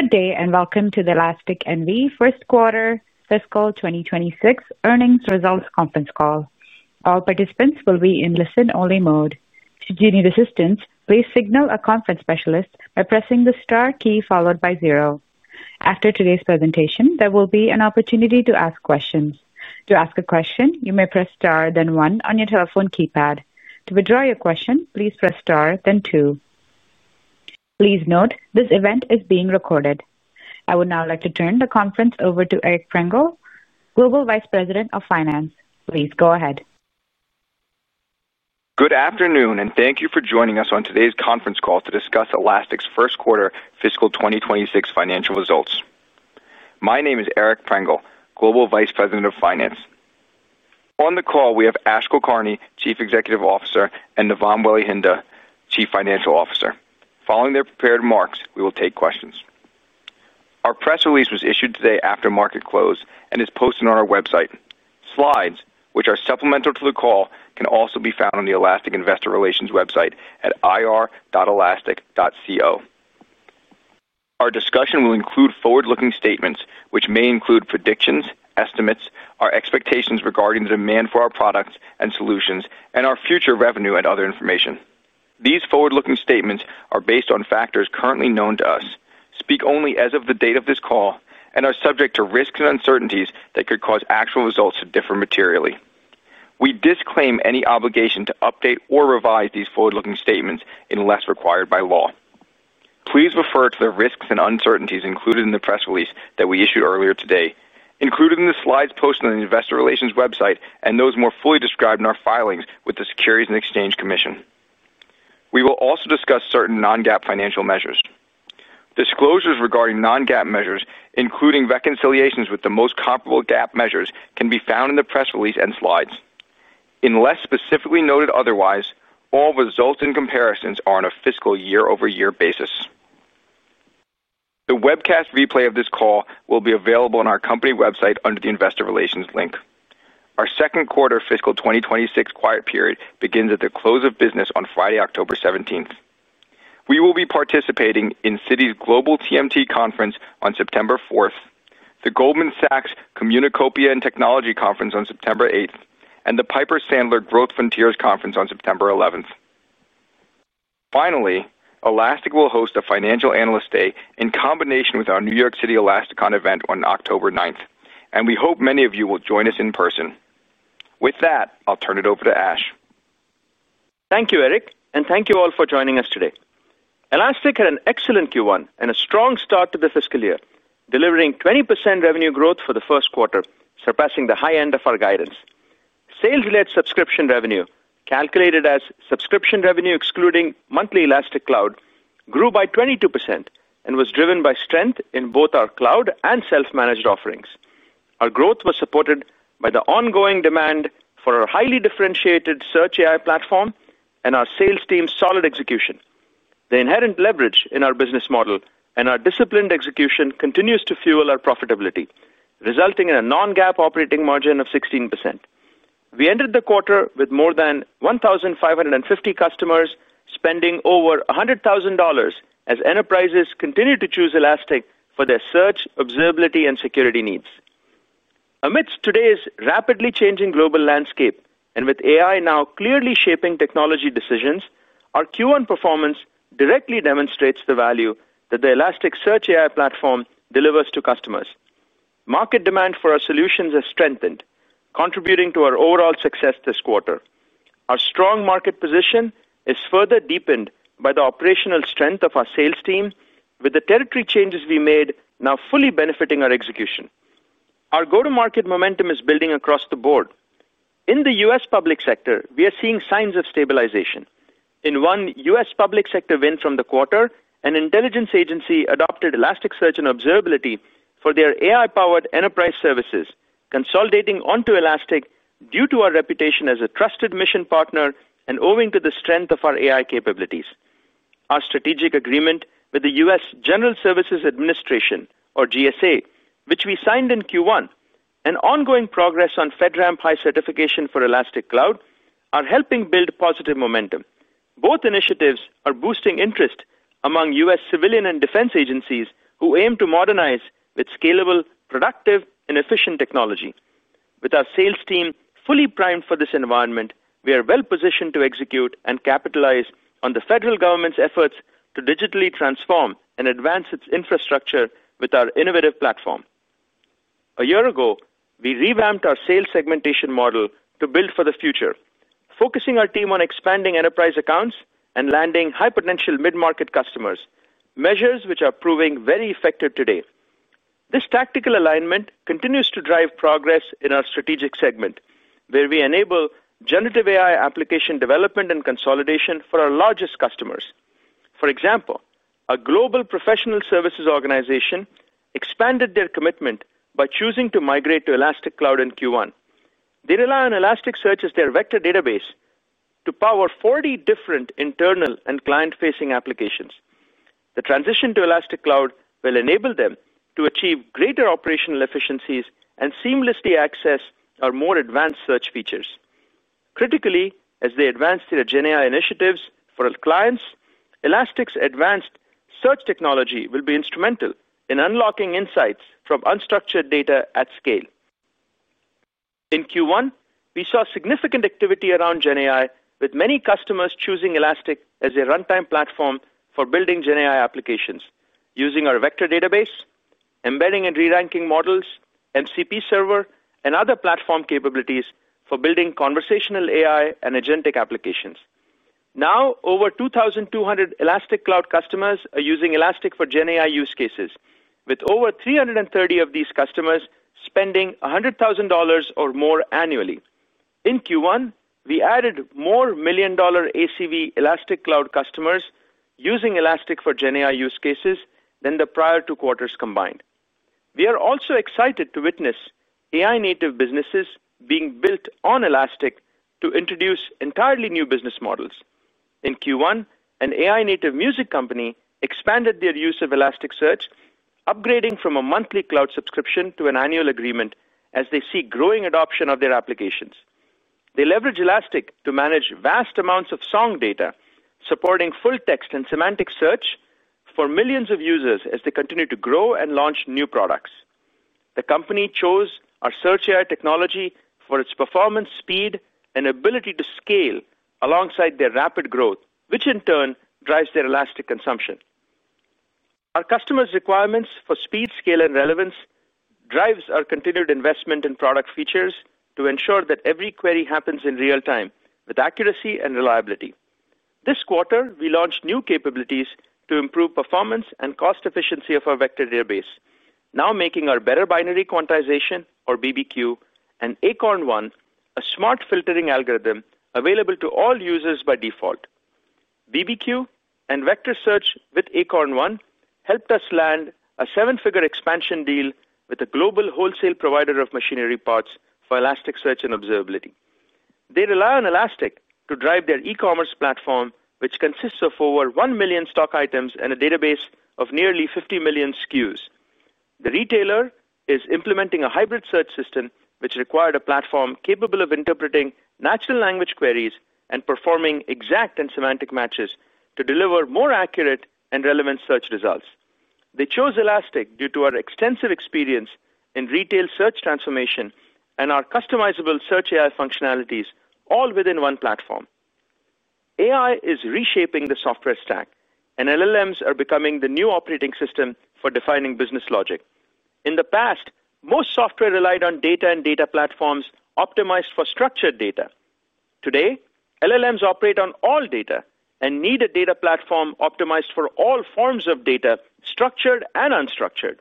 Good day and welcome to the Elastic N.V. first quarter fiscal 2026 earnings results conference call. All participants will be in listen-only mode. Should you need assistance, please signal a conference specialist by pressing the star key followed by zero. After today's presentation, there will be an opportunity to ask questions. To ask a question, you may press star, then one on your telephone keypad. To withdraw your question, please press star, then two. Please note this event is being recorded. I would now like to turn the conference over to Eric Prengel, Global Vice President of Finance. Please go ahead. Good afternoon and thank you for joining us on today's conference call to discuss Elastic's first quarter fiscal 2026 financial results. My name is Eric Prengel, Global Vice President of Finance. On the call, we have Ash Kulkarni, Chief Executive Officer, and Navam Welihinda, Chief Financial Officer. Following their prepared remarks, we will take questions. Our press release was issued today after market close and is posted on our website. Slides, which are supplemental to the call, can also be found on the Elastic Investor Relations website at ir.elastic.co. Our discussion will include forward-looking statements, which may include predictions, estimates, our expectations regarding the demand for our products and solutions, and our future revenue, and other information. These forward-looking statements are based on factors currently known to us, speak only as of the date of this call, and are subject to risks and uncertainties that could cause actual results to differ materially. We disclaim any obligation to update or revise these forward-looking statements unless required by law. Please refer to the risks and uncertainties included in the press release that we issued earlier today, included in the slides posted on the Investor Relations website, and those more fully described in our filings with the Securities and Exchange Commission. We will also discuss certain non-GAAP financial measures. Disclosures regarding non-GAAP measures, including reconciliations with the most comparable GAAP measures, can be found in the press release and slides. Unless specifically noted otherwise, all results and comparisons are on a fiscal year-over-year basis. The webcast replay of this call will be available on our company website under the Investor Relations link. Our second quarter fiscal 2026 quiet period begins at the close of business on Friday, October 17th. We will be participating in Citi's Global TMT Conference on September 4th, the Goldman Sachs Communacopia and Technology Conference on September 8th, and the Piper Sandler Growth Frontiers Conference on September 11th. Finally, Elastic will host a Financial Analyst Day in combination with our New York City Elasticon event on October 9th, and we hope many of you will join us in person. With that, I'll turn it over to Ash. Thank you, Eric, and thank you all for joining us today. Elastic had an excellent Q1 and a strong start to the fiscal year, delivering 20% revenue growth for the first quarter, surpassing the high end of our guidance. Sales-led subscription revenue, calculated as subscription revenue excluding monthly Elastic Cloud, grew by 22% and was driven by strength in both our cloud and self-managed offerings. Our growth was supported by the ongoing demand for our highly differentiated Search AI Platform and our sales team's solid execution. The inherent leverage in our business model and our disciplined execution continue to fuel our profitability, resulting in a non-GAAP operating margin of 16%. We ended the quarter with more than 1,550 customers spending over $100,000 as enterprises continue to choose Elastic for their search, observability, and security needs. Amidst today's rapidly changing global landscape and with AI now clearly shaping technology decisions, our Q1 performance directly demonstrates the value that the Elastic Search AI Platform delivers to customers. Market demand for our solutions has strengthened, contributing to our overall success this quarter. Our strong market position is further deepened by the operational strength of our sales team, with the territory changes we made now fully benefiting our execution. Our go-to-market momentum is building across the board. In the U.S. public sector, we are seeing signs of stabilization. In one U.S. public sector win from the quarter, an intelligence agency adopted Elasticsearch and Observability for their AI-powered enterprise services, consolidating onto Elastic due to our reputation as a trusted mission partner and owing to the strength of our AI capabilities. Our strategic agreement with the U.S. General Services Administration, or GSA, which we signed in Q1, and ongoing progress on FedRAMP High Certification for Elastic Cloud are helping build positive momentum. Both initiatives are boosting interest among U.S. civilian and defense agencies who aim to modernize with scalable, productive, and efficient technology. With our sales team fully primed for this environment, we are well positioned to execute and capitalize on the federal government's efforts to digitally transform and advance its infrastructure with our innovative platform. A year ago, we revamped our sales segmentation model to build for the future, focusing our team on expanding enterprise accounts and landing high-potential mid-market customers, measures which are proving very effective today. This tactical alignment continues to drive progress in our strategic segment, where we enable generative AI application development and consolidation for our largest customers. For example, a global professional services organization expanded their commitment by choosing to migrate to Elastic Cloud in Q1. They rely on Elasticsearch as their vector database to power 40 different internal and client-facing applications. The transition to Elastic Cloud will enable them to achieve greater operational efficiencies and seamlessly access our more advanced search features. Critically, as they advance their GenAI initiatives for clients, Elastic's advanced search technology will be instrumental in unlocking insights from unstructured data at scale. In Q1, we saw significant activity around GenAI, with many customers choosing Elastic as a runtime platform for building GenAI applications, using our vector database, embedding and re-ranking models, MCP server, and other platform capabilities for building conversational AI and agentic applications. Now, over 2,200 Elastic Cloud customers are using Elastic for GenAI use cases, with over 330 of these customers spending $100,000 or more annually. In Q1, we added more million-dollar ACV Elastic Cloud customers using Elastic for GenAI use cases than the prior two quarters combined. We are also excited to witness AI-native businesses being built on Elastic to introduce entirely new business models. In Q1, an AI-native music company expanded their use of Elasticsearch, upgrading from a monthly cloud subscription to an annual agreement as they see growing adoption of their applications. They leverage Elastic to manage vast amounts of song data, supporting full-text and semantic search for millions of users as they continue to grow and launch new products. The company chose our search AI technology for its performance, speed, and ability to scale alongside their rapid growth, which in turn drives their Elastic consumption. Our customers' requirements for speed, scale, and relevance drive our continued investment in product features to ensure that every query happens in real time with accuracy and reliability. This quarter, we launched new capabilities to improve performance and cost efficiency of our vector database, now making our better binary quantization, or BBQ, and ACORN1, a smart filtering algorithm, available to all users by default. BBQ and vector search with ACORN1 helped us land a seven-figure expansion deal with a global wholesale provider of machinery parts for Elasticsearch and Observability. They rely on Elastic to drive their e-commerce platform, which consists of over 1 million stock items and a database of nearly 50 million SKUs. The retailer is implementing a hybrid search system, which required a platform capable of interpreting natural language queries and performing exact and semantic matches to deliver more accurate and relevant search results. They chose Elastic due to our extensive experience in retail search transformation and our customizable search AI functionalities, all within one platform. AI is reshaping the software stack, and LLMs are becoming the new operating system for defining business logic. In the past, most software relied on data and data platforms optimized for structured data. Today, LLMs operate on all data and need a data platform optimized for all forms of data, structured and unstructured,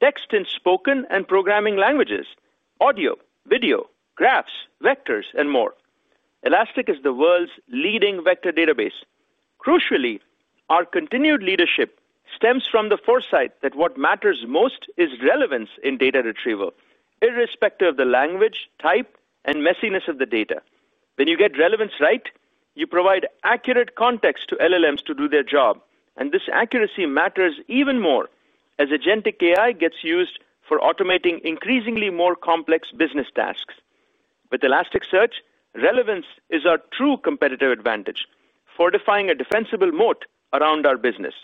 text in spoken and programming languages, audio, video, graphs, vectors, and more. Elastic is the world's leading vector database. Crucially, our continued leadership stems from the foresight that what matters most is relevance in data retrieval, irrespective of the language, type, and messiness of the data. When you get relevance right, you provide accurate context to LLMs to do their job, and this accuracy matters even more as agentic AI gets used for automating increasingly more complex business tasks. With Elasticsearch, relevance is our true competitive advantage, fortifying a defensible moat around our business.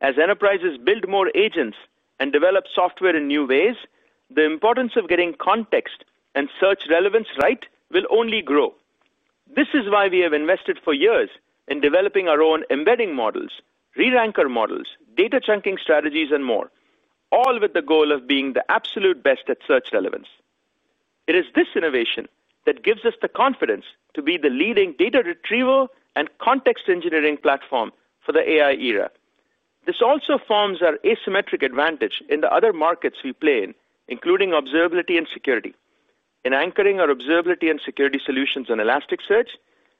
As enterprises build more agents and develop software in new ways, the importance of getting context and search relevance right will only grow. This is why we have invested for years in developing our own embedding models, re-ranking models, data chunking strategies, and more, all with the goal of being the absolute best at search relevance. It is this innovation that gives us the confidence to be the leading data retrieval and context engineering platform for the AI era. This also forms our asymmetric advantage in the other markets we play in, including observability and security. In anchoring our observability and security solutions on Elasticsearch,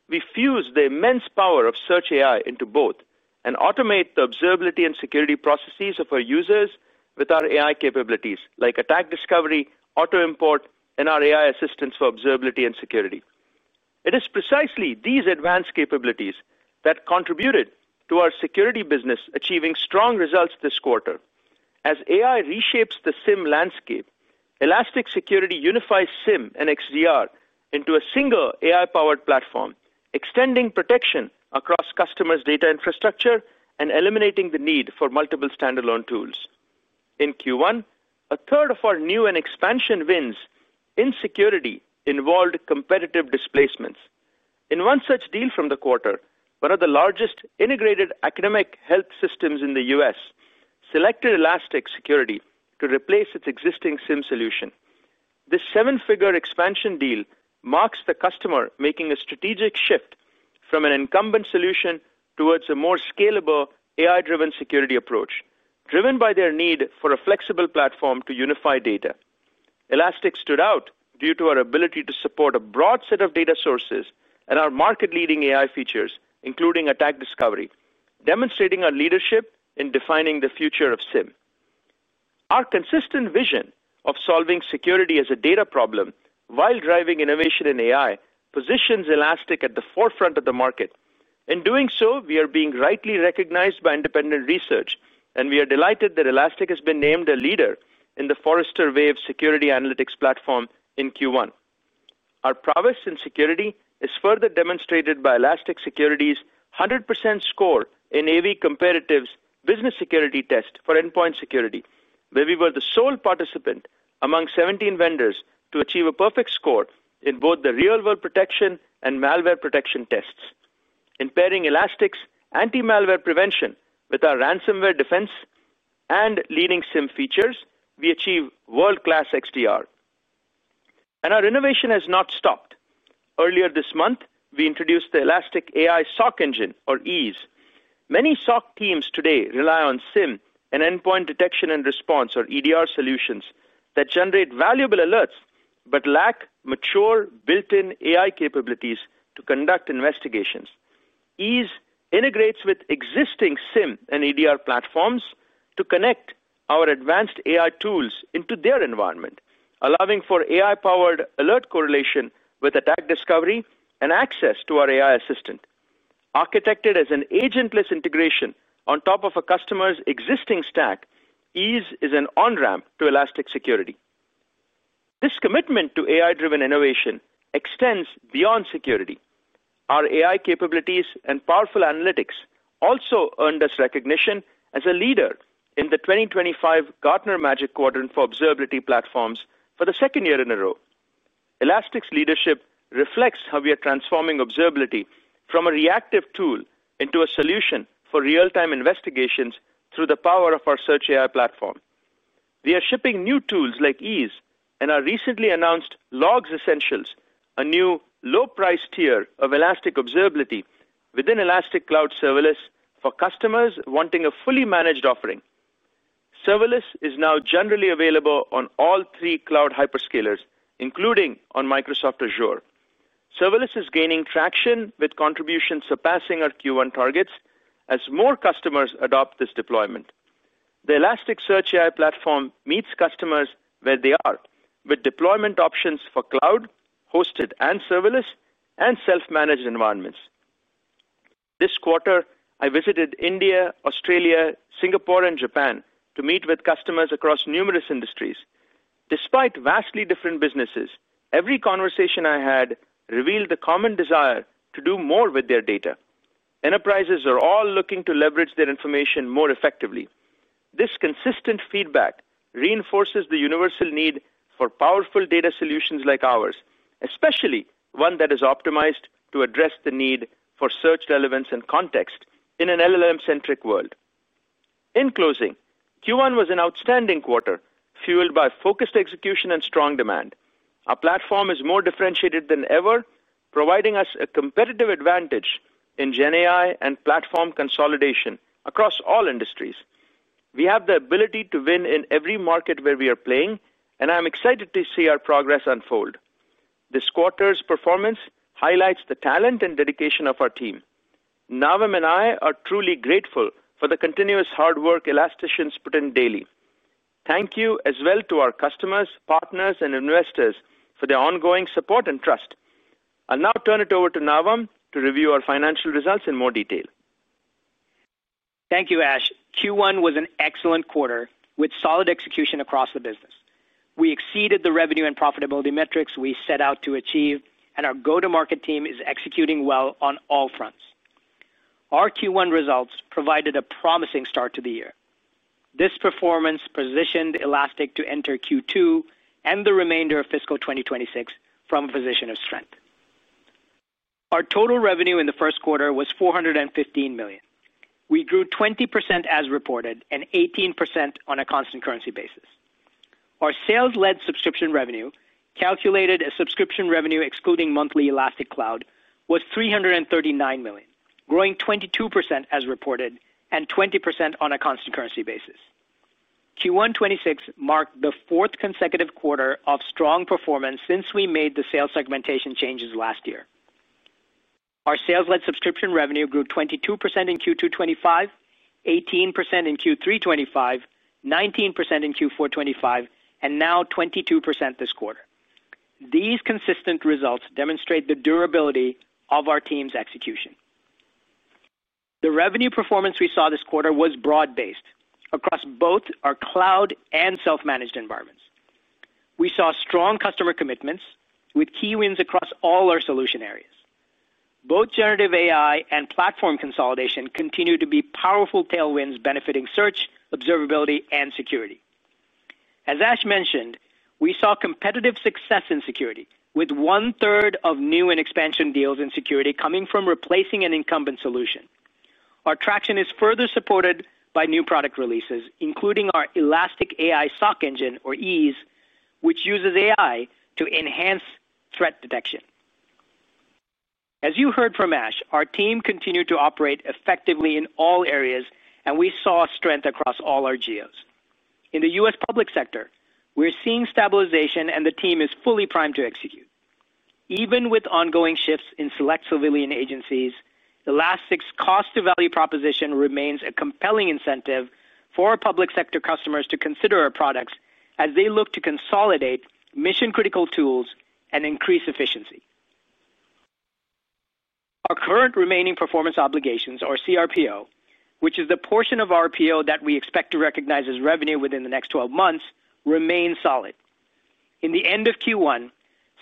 we fuse the immense power of search AI into both and automate the observability and security processes of our users with our AI capabilities, like Elastic Attack Discovery, Elastic Automatic Import, and our Elastic AI Assistant for observability and security. It is precisely these advanced capabilities that contributed to our security business achieving strong results this quarter. As AI reshapes the SIEM landscape, Elastic Security unifies SIEM and XDR into a single AI-powered platform, extending protection across customers' data infrastructure and eliminating the need for multiple standalone tools. In Q1, a third of our new and expansion wins in security involved competitive displacements. In one such deal from the quarter, one of the largest integrated academic health systems in the U.S. selected Elastic Security to replace its existing SIEM solution. This seven-figure expansion deal marks the customer making a strategic shift from an incumbent solution towards a more scalable, AI-driven security approach, driven by their need for a flexible platform to unify data. Elastic stood out due to our ability to support a broad set of data sources and our market-leading AI features, including Elastic Attack Discovery, demonstrating our leadership in defining the future of SIEM. Our consistent vision of solving security as a data problem while driving innovation in AI positions Elastic at the forefront of the market. In doing so, we are being rightly recognized by independent research, and we are delighted that Elastic has been named a leader in the Forrester Wave Security Analytics Platform in Q1. Our prowess in security is further demonstrated by Elastic Security's 100% score in AV-Comparatives Business Security Test for Endpoint Security, where we were the sole participant among 17 vendors to achieve a perfect score in both the real-world protection and malware protection tests. In pairing Elastic's anti-malware prevention with our ransomware defense and leading SIEM features, we achieve world-class XDR. Our innovation has not stopped. Earlier this month, we introduced the Elastic AI SOC Engine, or EES. Many SOC teams today rely on SIEM and Endpoint Detection and Response, or EDR, solutions that generate valuable alerts but lack mature built-in AI capabilities to conduct investigations. EES integrates with existing SIEM and EDR platforms to connect our advanced AI tools into their environment, allowing for AI-powered alert correlation with attack discovery and access to our AI assistant. Architected as an agentless integration on top of a customer's existing stack, EES is an on-ramp to Elastic Security. This commitment to AI-driven innovation extends beyond security. Our AI capabilities and powerful analytics also earned us recognition as a leader in the 2025 Gartner Magic Quadrant for Observability Platforms for the second year in a row. Elastic's leadership reflects how we are transforming observability from a reactive tool into a solution for real-time investigations through the power of our Search AI Platform. We are shipping new tools like EES and our recently announced Logs Essentials, a new low-priced tier of Elastic Observability within Elastic Cloud Serverless for customers wanting a fully managed offering. Serverless is now generally available on all three cloud hyperscalers, including on Microsoft Azure. Serverless is gaining traction, with contributions surpassing our Q1 targets as more customers adopt this deployment. The Elastic Search AI Platform meets customers where they are, with deployment options for cloud, hosted, and serverless, and self-managed environments. This quarter, I visited India, Australia, Singapore, and Japan to meet with customers across numerous industries. Despite vastly different businesses, every conversation I had revealed the common desire to do more with their data. Enterprises are all looking to leverage their information more effectively. This consistent feedback reinforces the universal need for powerful data solutions like ours, especially one that is optimized to address the need for search relevance and context in an LLM-centric world. In closing, Q1 was an outstanding quarter, fueled by focused execution and strong demand. Our platform is more differentiated than ever, providing us a competitive advantage in GenAI and platform consolidation across all industries. We have the ability to win in every market where we are playing, and I'm excited to see our progress unfold. This quarter's performance highlights the talent and dedication of our team. Navam and I are truly grateful for the continuous hard work Elasticians put in daily. Thank you as well to our customers, partners, and investors for their ongoing support and trust. I'll now turn it over to Navam to review our financial results in more detail. Thank you, Ash. Q1 was an excellent quarter with solid execution across the business. We exceeded the revenue and profitability metrics we set out to achieve, and our go-to-market team is executing well on all fronts. Our Q1 results provided a promising start to the year. This performance positioned Elastic to enter Q2 and the remainder of fiscal 2026 from a position of strength. Our total revenue in the first quarter was $415 million. We grew 20% as reported and 18% on a constant currency basis. Our sales-led subscription revenue, calculated as subscription revenue excluding monthly Elastic Cloud, was $339 million, growing 22% as reported and 20% on a constant currency basis. Q1-26 marked the fourth consecutive quarter of strong performance since we made the sales segmentation changes last year. Our sales-led subscription revenue grew 22% in Q2 2025, 18% in Q3 2025, 19% in Q4 2025, and now 22% this quarter. These consistent results demonstrate the durability of our team's execution. The revenue performance we saw this quarter was broad-based across both our cloud and self-managed environments. We saw strong customer commitments with key wins across all our solution areas. Both generative AI and platform consolidation continue to be powerful tailwinds benefiting search, observability, and security. As Ash mentioned, we saw competitive success in security, with one-third of new and expansion deals in security coming from replacing an incumbent solution. Our traction is further supported by new product releases, including our Elastic AI SOC Engine, or EES, which uses AI to enhance threat detection. As you heard from Ash, our team continued to operate effectively in all areas, and we saw strength across all our geos. In the U.S. public sector, we're seeing stabilization, and the team is fully primed to execute. Even with ongoing shifts in select civilian agencies, Elastic's cost-to-value proposition remains a compelling incentive for our public sector customers to consider our products as they look to consolidate mission-critical tools and increase efficiency. Our current remaining performance obligations, or CRPO, which is the portion of our PO that we expect to recognize as revenue within the next 12 months, remain solid. In the end of Q1,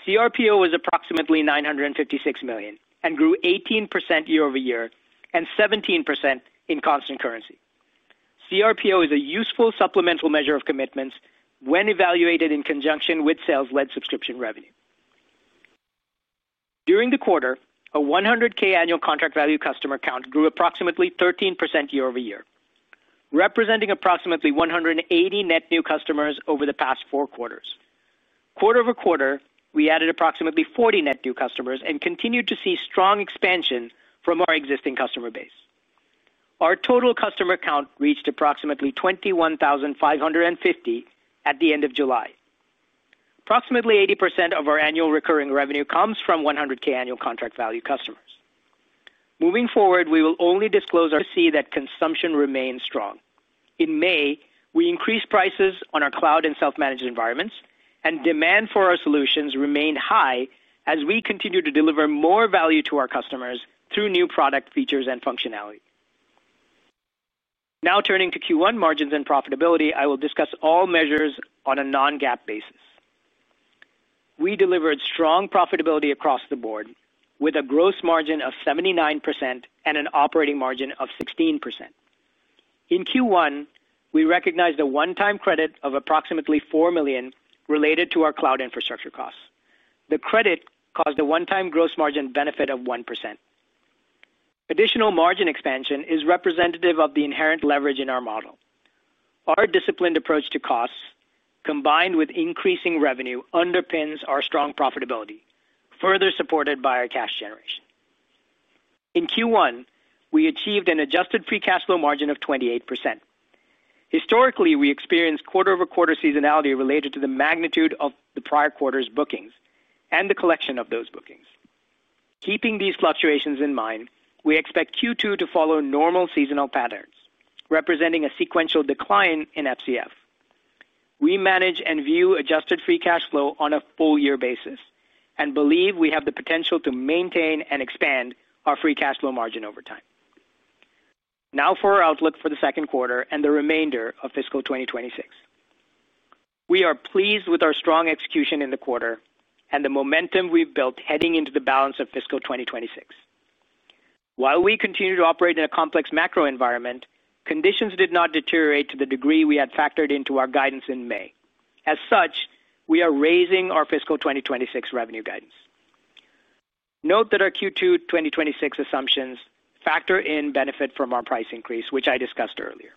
CRPO was approximately $956 million and grew 18% year-over-year and 17% in constant currency. CRPO is a useful supplemental measure of commitments when evaluated in conjunction with sales-led subscription revenue. During the quarter, our $100,000 annual contract value customer count grew approximately 13% year-over-year, representing approximately 180 net new customers over the past four quarters. Quarter over quarter, we added approximately 40 net new customers and continued to see strong expansion from our existing customer base. Our total customer count reached approximately 21,550 at the end of July. Approximately 80% of our annual recurring revenue comes from $100,000 annual contract value customers. Moving forward, we will only disclose our confidence that consumption remains strong. In May, we increased prices on our cloud and self-managed environments, and demand for our solutions remained high as we continue to deliver more value to our customers through new product features and functionality. Now turning to Q1 margins and profitability, I will discuss all measures on a non-GAAP basis. We delivered strong profitability across the board with a gross margin of 79% and an operating margin of 16%. In Q1, we recognized a one-time credit of approximately $4 million related to our cloud infrastructure costs. The credit caused a one-time gross margin benefit of 1%. Additional margin expansion is representative of the inherent leverage in our model. Our disciplined approach to costs, combined with increasing revenue, underpins our strong profitability, further supported by our cash generation. In Q1, we achieved an adjusted free cash flow margin of 28%. Historically, we experienced quarter-over-quarter seasonality related to the magnitude of the prior quarter's bookings and the collection of those bookings. Keeping these fluctuations in mind, we expect Q2 to follow normal seasonal patterns, representing a sequential decline in FCF. We manage and view adjusted free cash flow on a full-year basis and believe we have the potential to maintain and expand our free cash flow margin over time. Now for our outlook for the second quarter and the remainder of fiscal 2026. We are pleased with our strong execution in the quarter and the momentum we've built heading into the balance of fiscal 2026. While we continue to operate in a complex macro environment, conditions did not deteriorate to the degree we had factored into our guidance in May. As such, we are raising our fiscal 2026 revenue guidance. Note that our Q2 2026 assumptions factor in benefit from our price increase, which I discussed earlier.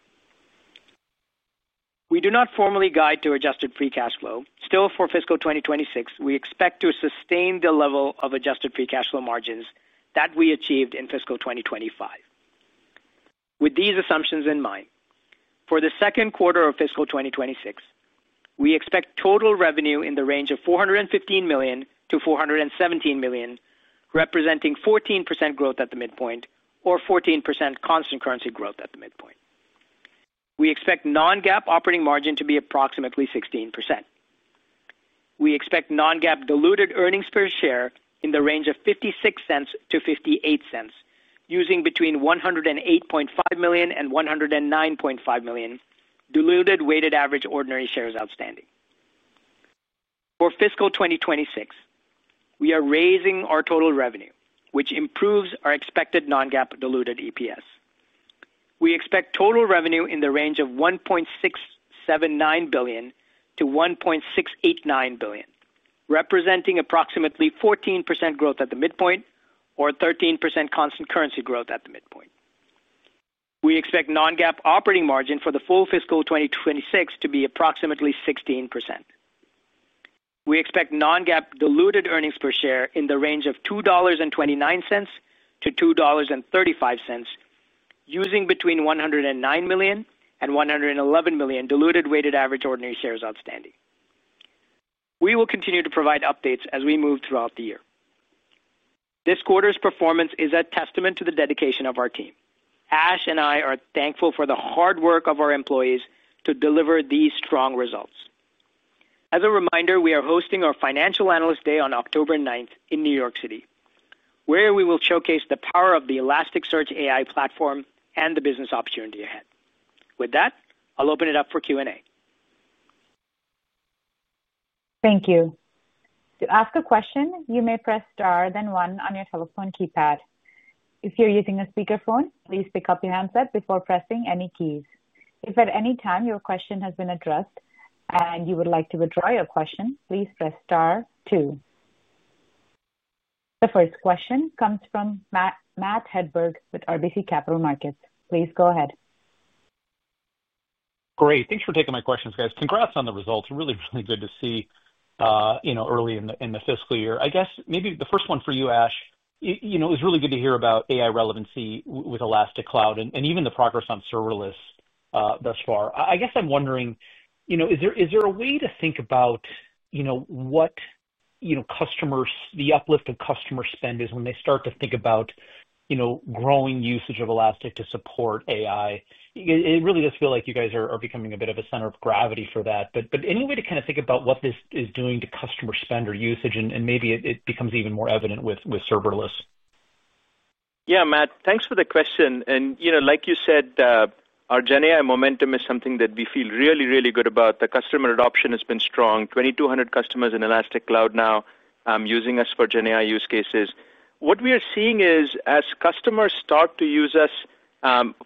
We do not formally guide to adjusted free cash flow. Still, for fiscal 2026, we expect to sustain the level of adjusted free cash flow margins that we achieved in fiscal 2025. With these assumptions in mind, for the second quarter of fiscal 2026, we expect total revenue in the range of $415 million to $417 million, representing 14% growth at the midpoint or 14% constant currency growth at the midpoint. We expect non-GAAP operating margin to be approximately 16%. We expect non-GAAP diluted earnings per share in the range of $0.56-$0.58, using between 108.5 million and 109.5 million diluted weighted average ordinary shares outstanding. For fiscal 2026, we are raising our total revenue, which improves our expected non-GAAP diluted EPS. We expect total revenue in the range of $1.679 billion to $1.689 billion, representing approximately 14% growth at the midpoint or 13% constant currency growth at the midpoint. We expect non-GAAP operating margin for the full fiscal 2026 to be approximately 16%. We expect non-GAAP diluted earnings per share in the range of $2.29 to $2.35, using between 109 million and 111 million diluted weighted average ordinary shares outstanding. We will continue to provide updates as we move throughout the year. This quarter's performance is a testament to the dedication of our team. Ash and I are thankful for the hard work of our employees to deliver these strong results. As a reminder, we are hosting our Financial Analyst Day on October 9th in New York City, where we will showcase the power of the Elastic Search AI Platform and the business opportunity ahead. With that, I'll open it up for Q&A. Thank you. To ask a question, you may press star then one on your telephone keypad. If you're using a speakerphone, please pick up your handset before pressing any keys. If at any time your question has been addressed and you would like to withdraw your question, please press star two. The first question comes from Matt Hedberg with RBC Capital Markets. Please go ahead. Great. Thanks for taking my questions, guys. Congrats on the results. Really, really good to see, you know, early in the fiscal year. I guess maybe the first one for you, Ash. It was really good to hear about AI relevancy with Elastic Cloud and even the progress on serverless thus far. I'm wondering, is there a way to think about what customers, the uplift in customer spend is when they start to think about growing usage of Elastic to support AI? It really does feel like you guys are becoming a bit of a center of gravity for that. Any way to kind of think about what this is doing to customer spend or usage and maybe it becomes even more evident with serverless? Yeah, Matt, thanks for the question. Like you said, our GenAI momentum is something that we feel really, really good about. The customer adoption has been strong. 2,200 customers in Elastic Cloud now using us for GenAI use cases. What we are seeing is, as customers start to use us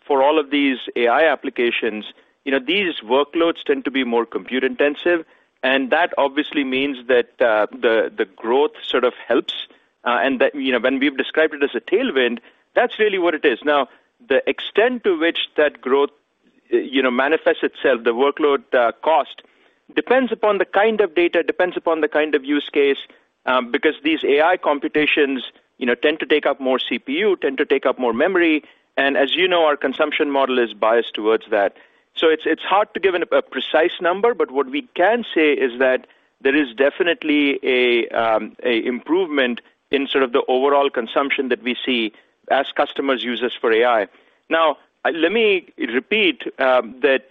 for all of these AI applications, these workloads tend to be more compute intensive. That obviously means that the growth sort of helps. When we've described it as a tailwind, that's really what it is. The extent to which that growth manifests itself, the workload cost depends upon the kind of data, depends upon the kind of use case, because these AI computations tend to take up more CPU, tend to take up more memory. As you know, our consumption model is biased towards that. It's hard to give a precise number, but what we can say is that there is definitely an improvement in the overall consumption that we see as customers use us for AI. Let me repeat that,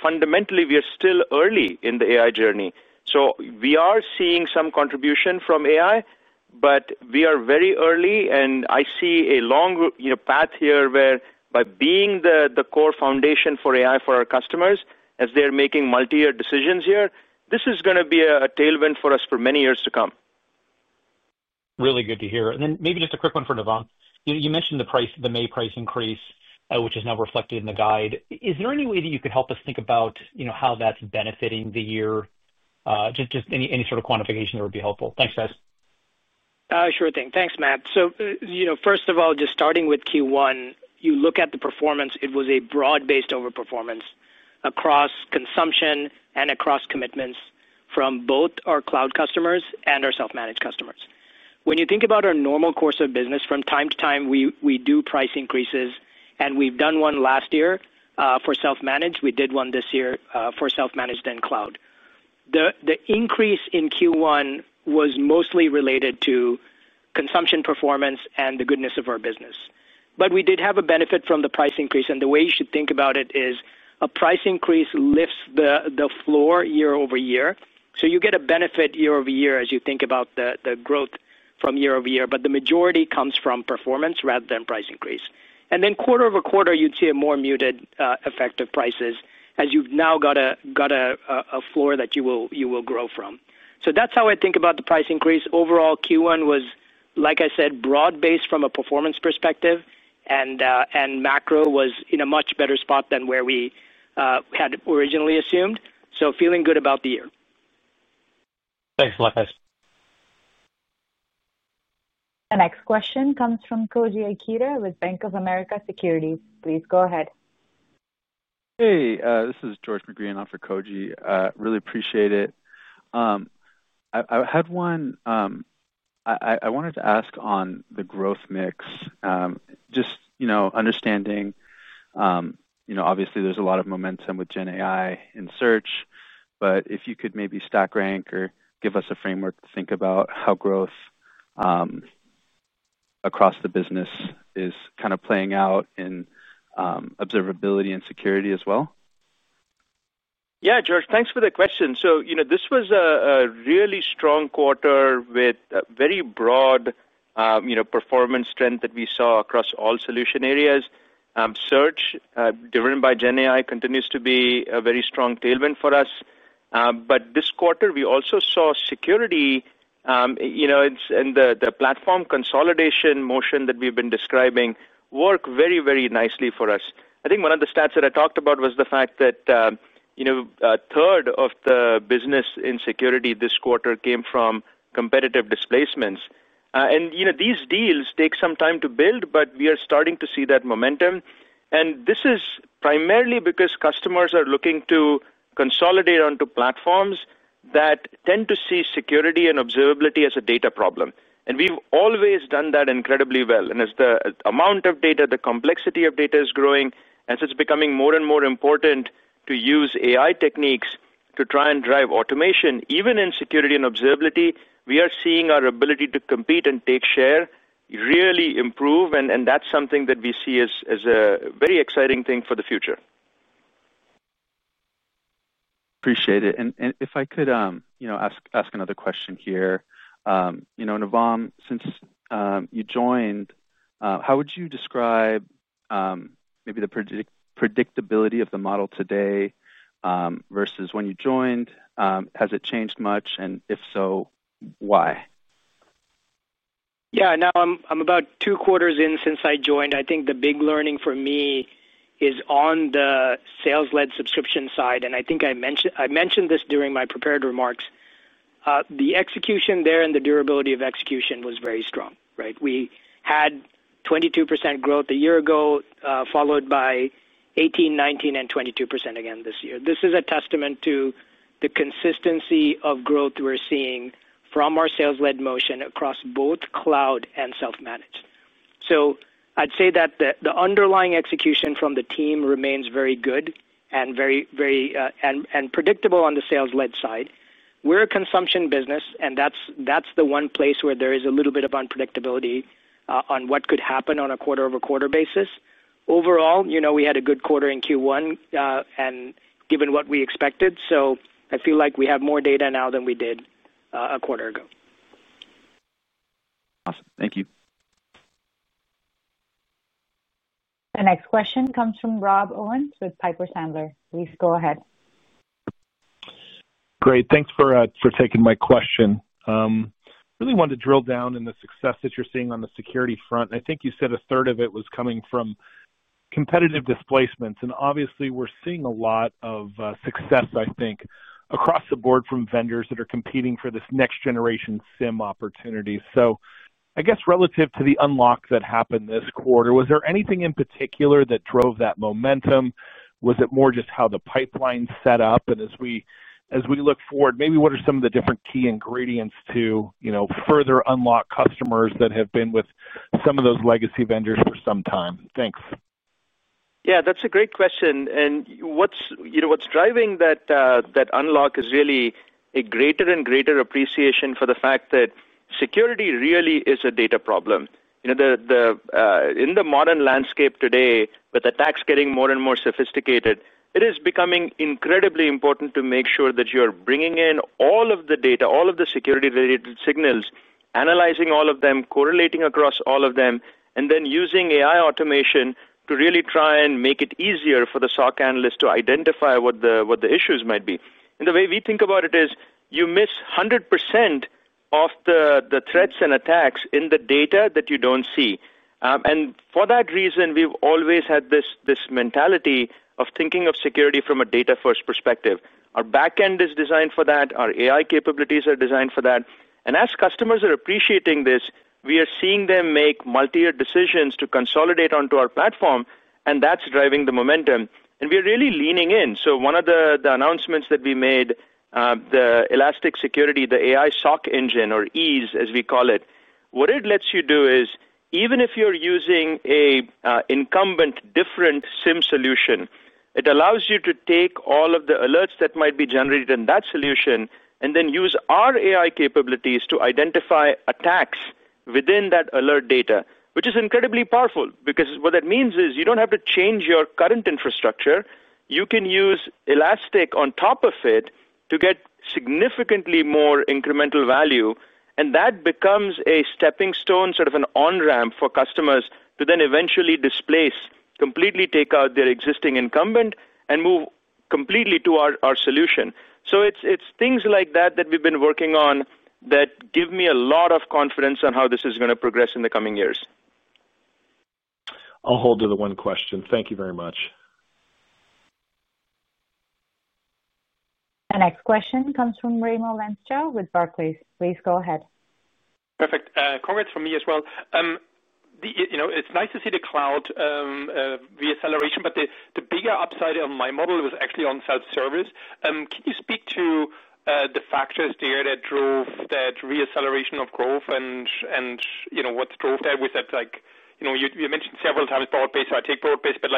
fundamentally, we are still early in the AI journey. We are seeing some contribution from AI, but we are very early. I see a long path here where, by being the core foundation for AI for our customers, as they're making multi-year decisions here, this is going to be a tailwind for us for many years to come. Really good to hear. Maybe just a quick one for Navam. You mentioned the May price increase, which is now reflected in the guide. Is there any way that you could help us think about how that's benefiting the year? Just any sort of quantification that would be helpful. Thanks, guys. Sure thing. Thanks, Matt. First of all, just starting with Q1, you look at the performance. It was a broad-based overperformance across consumption and across commitments from both our cloud customers and our self-managed customers. When you think about our normal course of business, from time to time, we do price increases. We've done one last year for self-managed. We did one this year for self-managed and cloud. The increase in Q1 was mostly related to consumption performance and the goodness of our business. We did have a benefit from the price increase. The way you should think about it is a price increase lifts the floor year-over-year. You get a benefit year-over-year as you think about the growth from year-over-year. The majority comes from performance rather than price increase. Quarter-over-quarter, you'd see a more muted effect of prices as you've now got a floor that you will grow from. That's how I think about the price increase. Overall, Q1 was, like I said, broad-based from a performance perspective. Macro was in a much better spot than where we had originally assumed. Feeling good about the year. Thanks a lot, guys. The next question comes from Koji Ikeda with Bank of America Securities. Please go ahead. Hey, this is George Staphos, and I'm for Koji. Really appreciate it. I had one. I wanted to ask on the growth mix, just, you know, understanding, you know, obviously there's a lot of momentum with generative AI and search. If you could maybe stack rank or give us a framework to think about how growth across the business is kind of playing out in observability and security as well. Yeah, George, thanks for the question. This was a really strong quarter with very broad performance strength that we saw across all solution areas. Search, driven by generative AI, continues to be a very strong tailwind for us. This quarter, we also saw security and the platform consolidation motion that we've been describing worked very, very nicely for us. I think one of the stats that I talked about was the fact that a third of the business in security this quarter came from competitive displacements. These deals take some time to build, but we are starting to see that momentum. This is primarily because customers are looking to consolidate onto platforms that tend to see security and observability as a data problem. We've always done that incredibly well. As the amount of data, the complexity of data is growing, as it's becoming more and more important to use AI techniques to try and drive automation, even in security and observability, we are seeing our ability to compete and take share really improve. That's something that we see as a very exciting thing for the future. Appreciate it. If I could ask another question here, Navam, since you joined, how would you describe maybe the predictability of the model today versus when you joined? Has it changed much? If so, why? Yeah, now I'm about two quarters in since I joined. I think the big learning for me is on the sales-led subscription side. I think I mentioned this during my prepared remarks. The execution there and the durability of execution was very strong. We had 22% growth a year ago, followed by 18%, 19%, and 22% again this year. This is a testament to the consistency of growth we're seeing from our sales-led motion across both cloud and self-managed. I'd say that the underlying execution from the team remains very good and very predictable on the sales-led side. We're a consumption business, and that's the one place where there is a little bit of unpredictability on what could happen on a quarter-over-quarter basis. Overall, we had a good quarter in Q1 and given what we expected. I feel like we have more data now than we did a quarter ago. Awesome. Thank you. The next question comes from Rob Owens with Piper Sandler. Please go ahead. Great. Thanks for taking my question. I really want to drill down on the success that you're seeing on the security front. I think you said a third of it was coming from competitive displacements. Obviously, we're seeing a lot of success, I think, across the board from vendors that are competing for this next-generation SIEM opportunity. I guess relative to the unlock that happened this quarter, was there anything in particular that drove that momentum? Was it more just how the pipeline's set up? As we look forward, maybe what are some of the different key ingredients to further unlock customers that have been with some of those legacy vendors for some time? Thanks. Yeah, that's a great question. What's driving that unlock is really a greater and greater appreciation for the fact that security really is a data problem. You know, in the modern landscape today, with attacks getting more and more sophisticated, it is becoming incredibly important to make sure that you're bringing in all of the data, all of the security-related signals, analyzing all of them, correlating across all of them, and then using AI automation to really try and make it easier for the SOC analyst to identify what the issues might be. The way we think about it is you miss 100% of the threats and attacks in the data that you don't see. For that reason, we've always had this mentality of thinking of security from a data-first perspective. Our backend is designed for that. Our AI capabilities are designed for that. As customers are appreciating this, we are seeing them make multi-year decisions to consolidate onto our platform. That's driving the momentum. We're really leaning in. One of the announcements that we made, the Elastic Security, the Elastic AI SOC Engine, or EES, as we call it, what it lets you do is even if you're using an incumbent, different SIEM solution, it allows you to take all of the alerts that might be generated in that solution and then use our AI capabilities to identify attacks within that alert data, which is incredibly powerful because what that means is you don't have to change your current infrastructure. You can use Elastic on top of it to get significantly more incremental value. That becomes a stepping stone, sort of an on-ramp for customers to then eventually displace, completely take out their existing incumbent, and move completely to our solution. It's things like that that we've been working on that give me a lot of confidence on how this is going to progress in the coming years. I'll hold to the one question. Thank you very much. The next question comes from Raimo Lenschow with Barclays. Please go ahead. Perfect. Congrats from me as well. It's nice to see the cloud re-acceleration, but the bigger upside of my model was actually on self-service. Can you speak to the factors there that drove that re-acceleration of growth and what drove that? You mentioned several times broad-based, so I take broad-based, but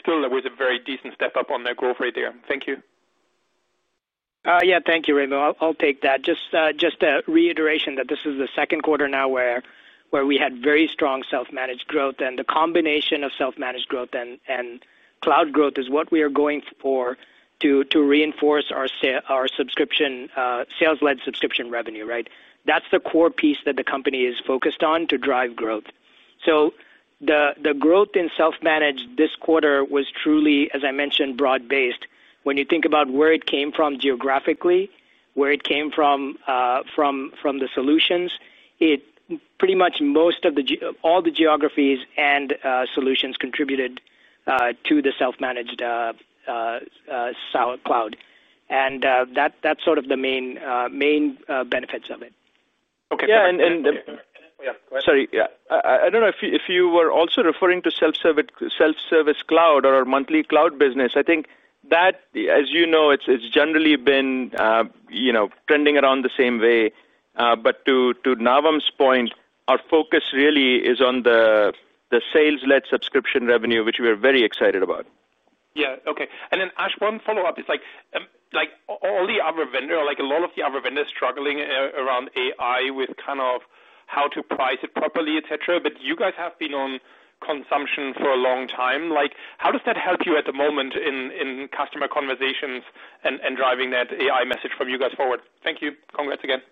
still, that was a very decent step up on that growth rate there. Thank you. Yeah, thank you, Raimo. I'll take that. Just a reiteration that this is the second quarter now where we had very strong self-managed growth. The combination of self-managed growth and cloud growth is what we are going for to reinforce our subscription, sales-led subscription revenue, right? That's the core piece that the company is focused on to drive growth. The growth in self-managed this quarter was truly, as I mentioned, broad-based. When you think about where it came from geographically, where it came from the solutions, it pretty much most of all the geographies and solutions contributed to the self-managed cloud. That's sort of the main benefits of it. Okay. Yeah, and. Yeah, go ahead. Sorry, yeah. I don't know if you were also referring to self-service cloud or our monthly cloud business. I think that, as you know, it's generally been trending around the same way. To Navam's point, our focus really is on the sales-led subscription revenue, which we are very excited about. Okay. Ash, one follow-up is like all the other vendors, or like a lot of the other vendors struggling around AI with kind of how to price it properly, et cetera. You guys have been on consumption for a long time. How does that help you at the moment in customer conversations and driving that AI message from you guys forward? Thank you. Congrats again.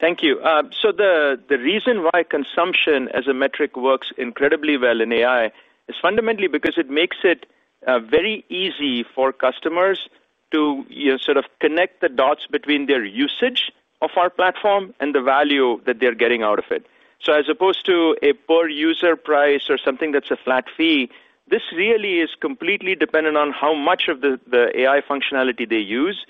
Thank you. The reason why consumption as a metric works incredibly well in AI is fundamentally because it makes it very easy for customers to sort of connect the dots between their usage of our platform and the value that they're getting out of it. As opposed to a per-user price or something that's a flat fee, this really is completely dependent on how much of the AI functionality they use.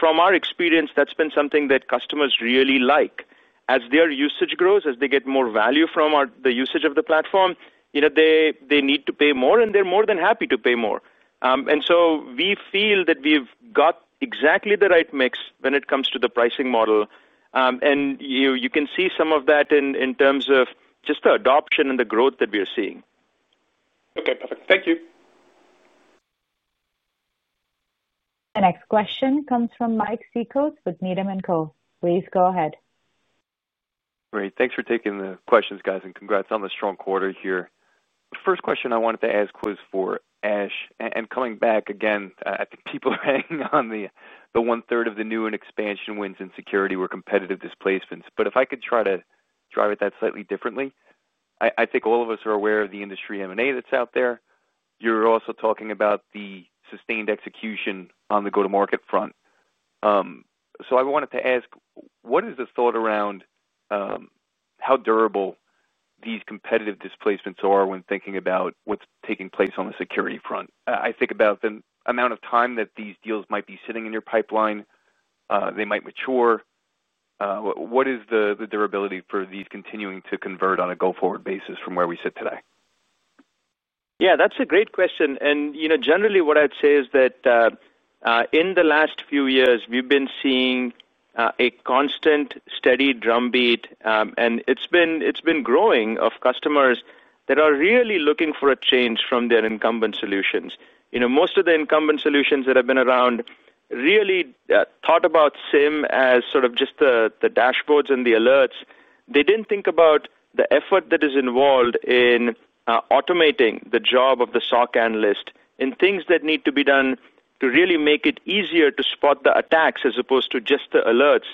From our experience, that's been something that customers really like. As their usage grows, as they get more value from the usage of the platform, they need to pay more, and they're more than happy to pay more. We feel that we've got exactly the right mix when it comes to the pricing model. You can see some of that in terms of just the adoption and the growth that we are seeing. Okay, perfect. Thank you. The next question comes from Mike Cikos with Needham & Co. Please go ahead. Great. Thanks for taking the questions, guys, and congrats on the strong quarter here. The first question I wanted to ask was for Ash. Coming back again, I think people are hanging on the one-third of the new and expansion wins in security were competitive displacements. If I could try to drive it that slightly differently, I think all of us are aware of the industry M&A that's out there. You're also talking about the sustained execution on the go-to-market front. I wanted to ask, what is the thought around how durable these competitive displacements are when thinking about what's taking place on the security front? I think about the amount of time that these deals might be sitting in your pipeline. They might mature. What is the durability for these continuing to convert on a go-forward basis from where we sit today? Yeah, that's a great question. Generally, what I'd say is that in the last few years, we've been seeing a constant, steady drumbeat, and it's been growing of customers that are really looking for a change from their incumbent solutions. Most of the incumbent solutions that have been around really thought about SIEM as sort of just the dashboards and the alerts. They didn't think about the effort that is involved in automating the job of the SOC analyst and things that need to be done to really make it easier to spot the attacks as opposed to just the alerts.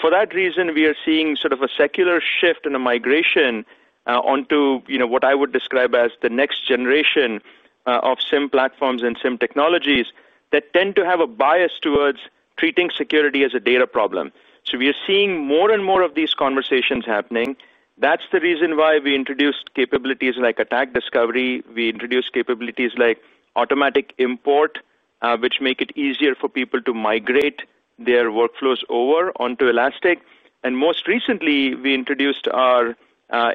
For that reason, we are seeing sort of a secular shift and a migration onto what I would describe as the next generation of SIEM platforms and SIEM technologies that tend to have a bias towards treating security as a data problem. We are seeing more and more of these conversations happening. That's the reason why we introduced capabilities like Elastic Attack Discovery. We introduced capabilities like Elastic Automatic Import, which make it easier for people to migrate their workflows over onto Elastic. Most recently, we introduced our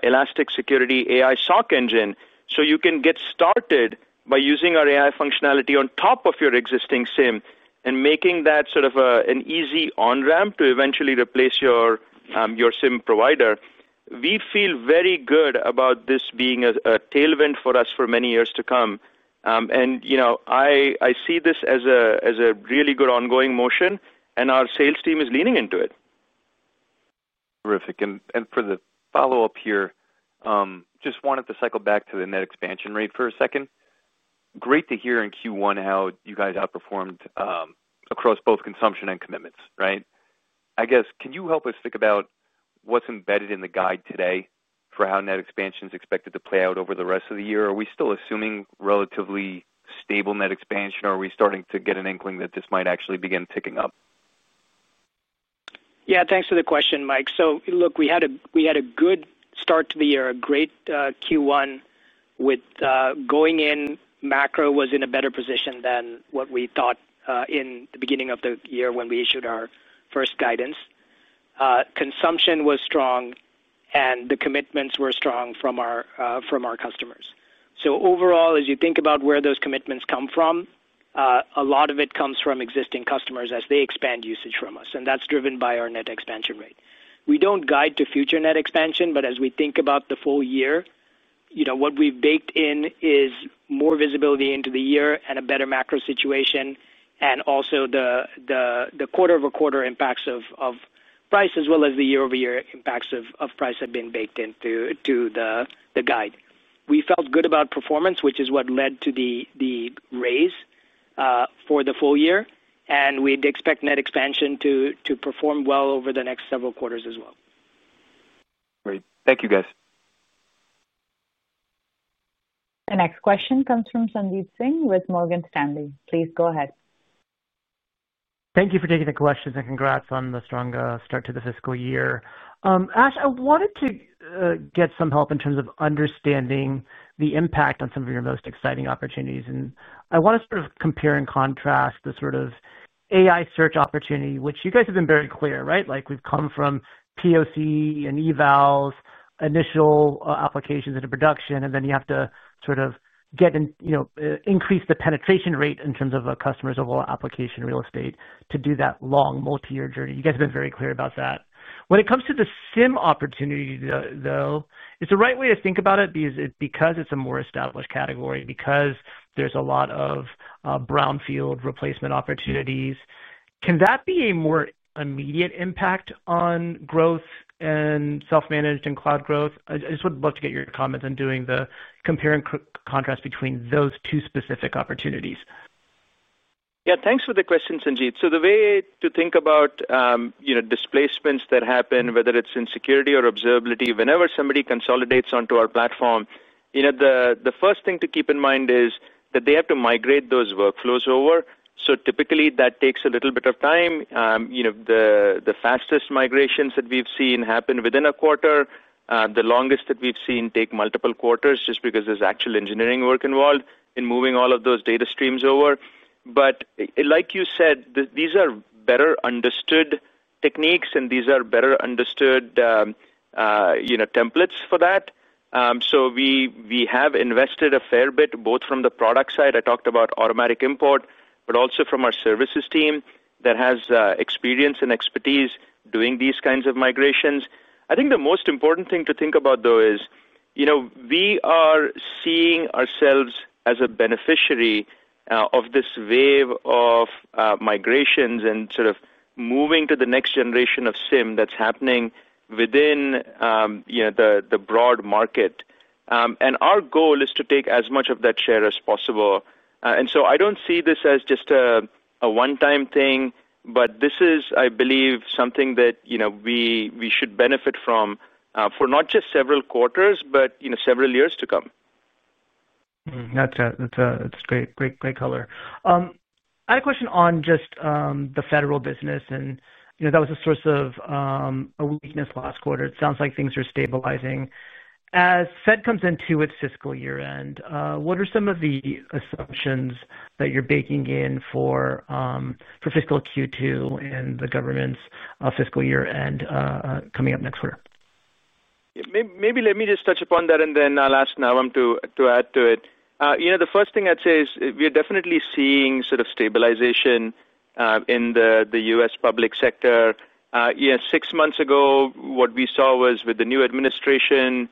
Elastic AI SOC Engine. You can get started by using our AI functionality on top of your existing SIEM and making that sort of an easy on-ramp to eventually replace your SIEM provider. We feel very good about this being a tailwind for us for many years to come. I see this as a really good ongoing motion, and our sales team is leaning into it. Terrific. For the follow-up here, just wanted to cycle back to the net expansion rate for a second. Great to hear in Q1 how you guys outperformed across both consumption and commitments, right? I guess, can you help us think about what's embedded in the guide today for how net expansion is expected to play out over the rest of the year? Are we still assuming relatively stable net expansion, or are we starting to get an inkling that this might actually begin ticking up? Yeah, thanks for the question, Mike. We had a good start to the year, a great Q1 with going in. Macro was in a better position than what we thought in the beginning of the year when we issued our first guidance. Consumption was strong, and the commitments were strong from our customers. Overall, as you think about where those commitments come from, a lot of it comes from existing customers as they expand usage from us. That's driven by our net expansion rate. We don't guide to future net expansion, but as we think about the full year, what we've baked in is more visibility into the year and a better macro situation, and also the quarter-over-quarter impacts of price, as well as the year-over-year impacts of price had been baked into the guide. We felt good about performance, which is what led to the raise for the full year. We'd expect net expansion to perform well over the next several quarters as well. Great. Thank you, guys. The next question comes from Sandip Singh with Morgan Stanley. Please go ahead. Thank you for taking the questions, and congrats on the strong start to the fiscal year. Ash, I wanted to get some help in terms of understanding the impact on some of your most exciting opportunities. I want to sort of compare and contrast the sort of AI search opportunity, which you guys have been very clear, right? Like we've come from POC and evals, initial applications into production, and then you have to sort of get, you know, increase the penetration rate in terms of a customer's overall application real estate to do that long multi-year journey. You guys have been very clear about that. When it comes to the SIEM opportunity, though, is the right way to think about it because it's a more established category, because there's a lot of brownfield replacement opportunities? Can that be a more immediate impact on growth and self-managed and cloud growth? I just would love to get your comments on doing the compare and contrast between those two specific opportunities. Yeah, thanks for the question, Sandip. The way to think about, you know, displacements that happen, whether it's in security or observability, whenever somebody consolidates onto our platform, the first thing to keep in mind is that they have to migrate those workflows over. Typically, that takes a little bit of time. The fastest migrations that we've seen happen within a quarter. The longest that we've seen take multiple quarters just because there's actual engineering work involved in moving all of those data streams over. Like you said, these are better understood techniques, and these are better understood, you know, templates for that. We have invested a fair bit, both from the product side. I talked about Elastic Automatic Import, but also from our services team that has experience and expertise doing these kinds of migrations. I think the most important thing to think about, though, is, you know, we are seeing ourselves as a beneficiary of this wave of migrations and sort of moving to the next generation of Elastic SIEM that's happening within, you know, the broad market. Our goal is to take as much of that share as possible. I don't see this as just a one-time thing, but this is, I believe, something that, you know, we should benefit from for not just several quarters, but, you know, several years to come. That's a great, great color. I had a question on just the federal business, and you know, that was a source of a weakness last quarter. It sounds like things are stabilizing. As the Fed comes into its fiscal year end, what are some of the assumptions that you're baking in for fiscal Q2 and the government's fiscal year end coming up next quarter? Maybe let me just touch upon that, and then I'll ask Navam to add to it. The first thing I'd say is we're definitely seeing sort of stabilization in the U.S. public sector. Six months ago, what we saw was with the new administration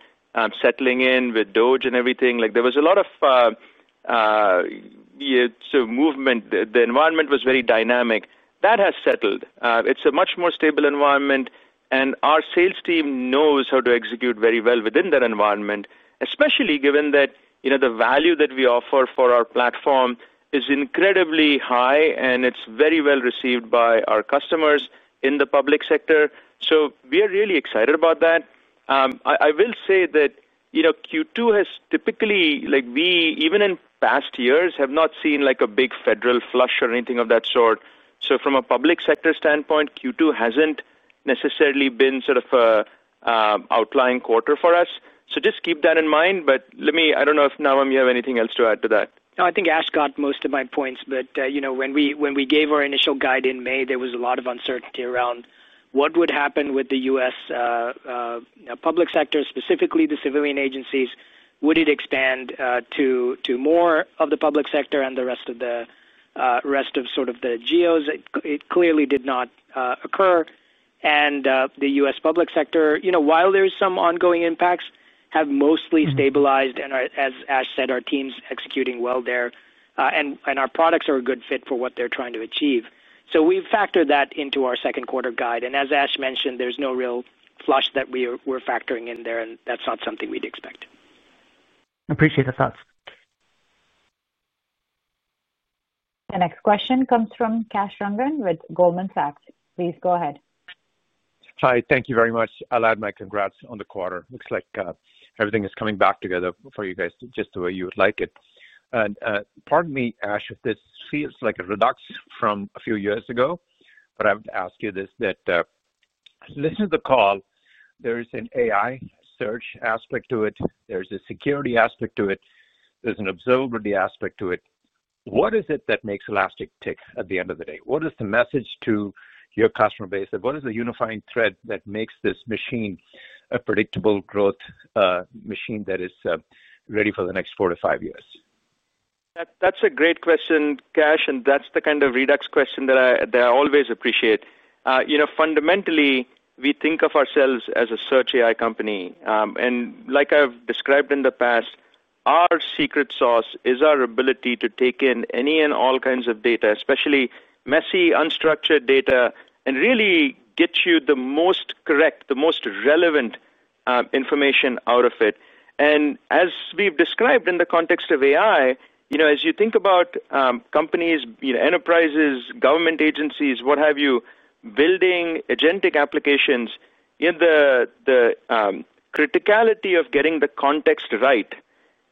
settling in with DOGE and everything, there was a lot of movement. The environment was very dynamic. That has settled. It's a much more stable environment, and our sales team knows how to execute very well within that environment, especially given that the value that we offer for our platform is incredibly high, and it's very well received by our customers in the public sector. We are really excited about that. I will say that Q2 has typically, like we, even in past years, have not seen a big federal flush or anything of that sort. From a public sector standpoint, Q2 hasn't necessarily been an outlying quarter for us. Just keep that in mind. I don't know if Navam, you have anything else to add to that. No, I think Ash got most of my points, but you know, when we gave our initial guide in May, there was a lot of uncertainty around what would happen with the U.S. public sector, specifically the civilian agencies. Would it expand to more of the public sector and the rest of the geos? It clearly did not occur. The U.S. public sector, you know, while there's some ongoing impacts, have mostly stabilized and are, as Ash said, our teams executing well there, and our products are a good fit for what they're trying to achieve. We've factored that into our second quarter guide. As Ash mentioned, there's no real flush that we're factoring in there, and that's not something we'd expect. I appreciate the thoughts. The next question comes from Kash Rangan with Goldman Sachs. Please go ahead. Hi, thank you very much. I'll add my congrats on the quarter. Looks like everything is coming back together for you guys just the way you would like it. Pardon me, Ash, if this feels like a redux from a few years ago, but I have to ask you this, that listen to the call. There is an AI search aspect to it. There's a security aspect to it. There's an observability aspect to it. What is it that makes Elastic tick at the end of the day? What is the message to your customer base? What is the unifying thread that makes this machine a predictable growth machine that is ready for the next four to five years? That's a great question, Kash, and that's the kind of redux question that I always appreciate. Fundamentally, we think of ourselves as a search AI company. Like I've described in the past, our secret sauce is our ability to take in any and all kinds of data, especially messy, unstructured data, and really get you the most correct, the most relevant information out of it. As we've described in the context of AI, as you think about companies, enterprises, government agencies, what have you, building agentic applications, the criticality of getting the context right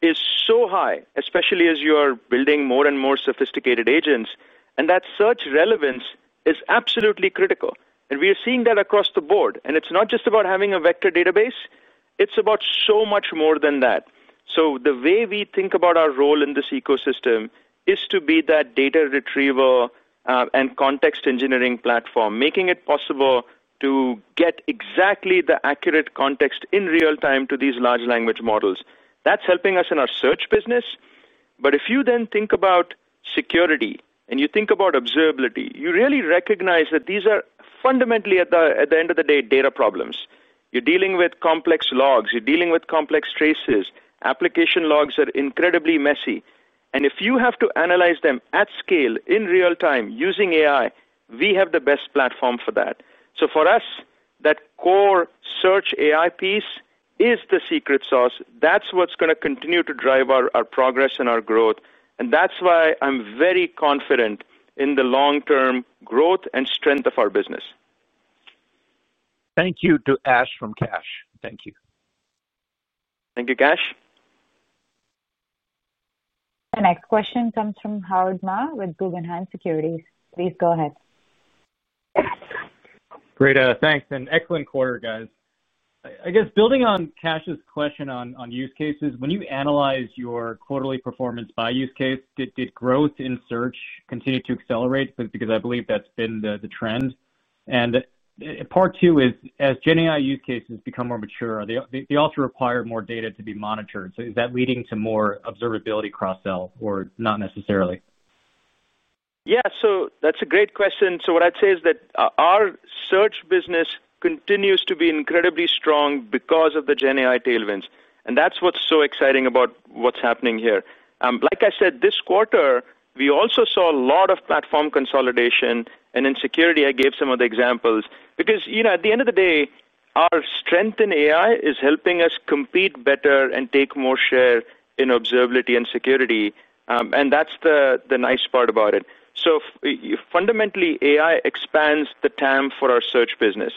is so high, especially as you are building more and more sophisticated agents. That search relevance is absolutely critical. We are seeing that across the board. It's not just about having a vector database. It's about so much more than that. The way we think about our role in this ecosystem is to be that data retriever and context engineering platform, making it possible to get exactly the accurate context in real time to these large language models. That's helping us in our search business. If you then think about security and you think about observability, you really recognize that these are fundamentally, at the end of the day, data problems. You're dealing with complex logs. You're dealing with complex traces. Application logs are incredibly messy. If you have to analyze them at scale in real time using AI, we have the best platform for that. For us, that core search AI piece is the secret sauce. That's what's going to continue to drive our progress and our growth. That's why I'm very confident in the long-term growth and strength of our business. Thank you to Ash from Kash. Thank you. Thank you, Kash. The next question comes from Howard Ma with Guggenheim Securities. Please go ahead. Great. Thanks. An excellent quarter, guys. I guess building on Kash's question on use cases, when you analyze your quarterly performance by use case, did growth in search continue to accelerate? I believe that's been the trend. Part two is, as GenAI use cases become more mature, they also require more data to be monitored. Is that leading to more observability cross-sell or not necessarily? Yeah, that's a great question. What I'd say is that our search business continues to be incredibly strong because of the GenAI tailwinds. That's what's so exciting about what's happening here. Like I said, this quarter, we also saw a lot of platform consolidation. In security, I gave some of the examples because, you know, at the end of the day, our strength in AI is helping us compete better and take more share in observability and security. That's the nice part about it. Fundamentally, AI expands the TAM for our search business.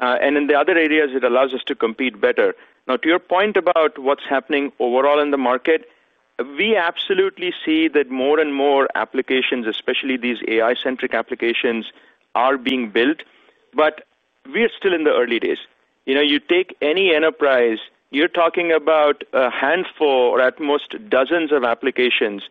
In the other areas, it allows us to compete better. Now, to your point about what's happening overall in the market, we absolutely see that more and more applications, especially these AI-centric applications, are being built. We are still in the early days. You take any enterprise, you're talking about a handful or at most dozens of applications.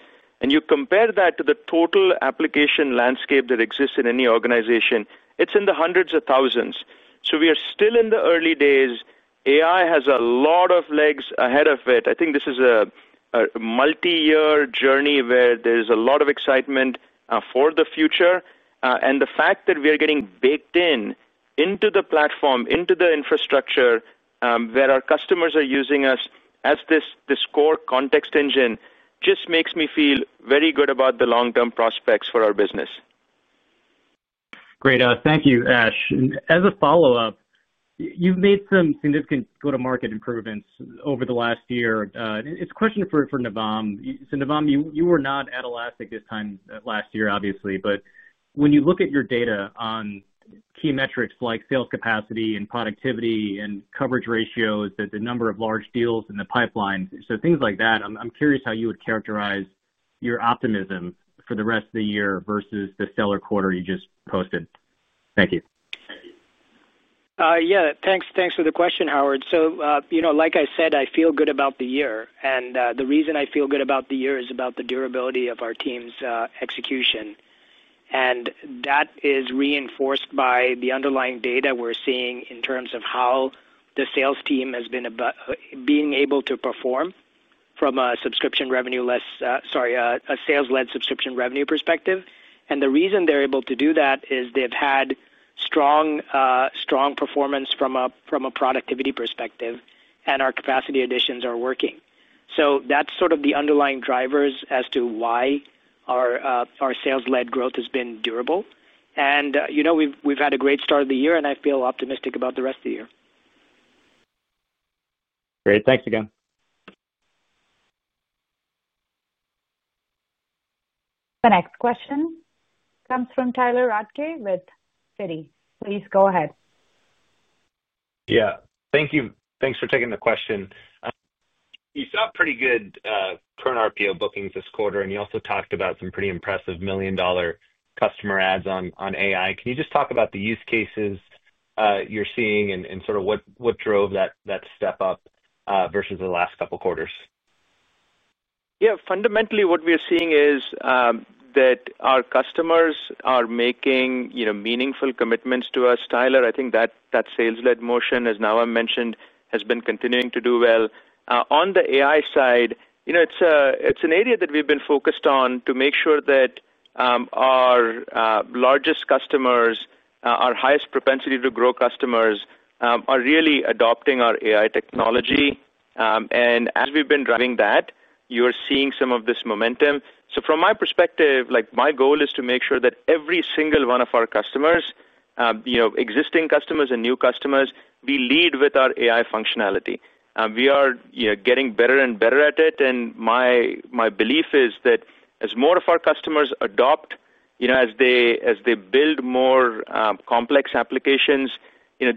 You compare that to the total application landscape that exists in any organization, it's in the hundreds of thousands. We are still in the early days. AI has a lot of legs ahead of it. I think this is a multi-year journey where there is a lot of excitement for the future. The fact that we are getting baked in into the platform, into the infrastructure where our customers are using us as this core context engine just makes me feel very good about the long-term prospects for our business. Great. Thank you, Ash. As a follow-up, you've made some significant go-to-market improvements over the last year. It's a question for Navam. Navam, you were not at Elastic this time last year, obviously. When you look at your data on key metrics like sales capacity and productivity and coverage ratios, the number of large deals in the pipeline, things like that, I'm curious how you would characterize your optimism for the rest of the year versus the stellar quarter you just posted. Thank you. Yeah, thanks for the question, Howard. I feel good about the year. The reason I feel good about the year is about the durability of our team's execution. That is reinforced by the underlying data we're seeing in terms of how the sales team has been able to perform from a sales-led subscription revenue perspective. The reason they're able to do that is they've had strong performance from a productivity perspective, and our capacity additions are working. That's sort of the underlying drivers as to why our sales-led growth has been durable. We've had a great start of the year, and I feel optimistic about the rest of the year. Great. Thanks again. The next question comes from Tyler Radke with Citi. Please go ahead. Thank you. Thanks for taking the question. You saw pretty good current CRPO bookings this quarter, and you also talked about some pretty impressive million-dollar customer ads on AI. Can you just talk about the use cases you're seeing and sort of what drove that step up versus the last couple of quarters? Yeah, fundamentally, what we are seeing is that our customers are making meaningful commitments to us, Tyler. I think that sales-led motion, as Navam mentioned, has been continuing to do well. On the AI side, it's an area that we've been focused on to make sure that our largest customers, our highest propensity to grow customers, are really adopting our AI technology. As we've been driving that, you're seeing some of this momentum. From my perspective, my goal is to make sure that every single one of our customers, existing customers and new customers, we lead with our AI functionality. We are getting better and better at it. My belief is that as more of our customers adopt, as they build more complex applications,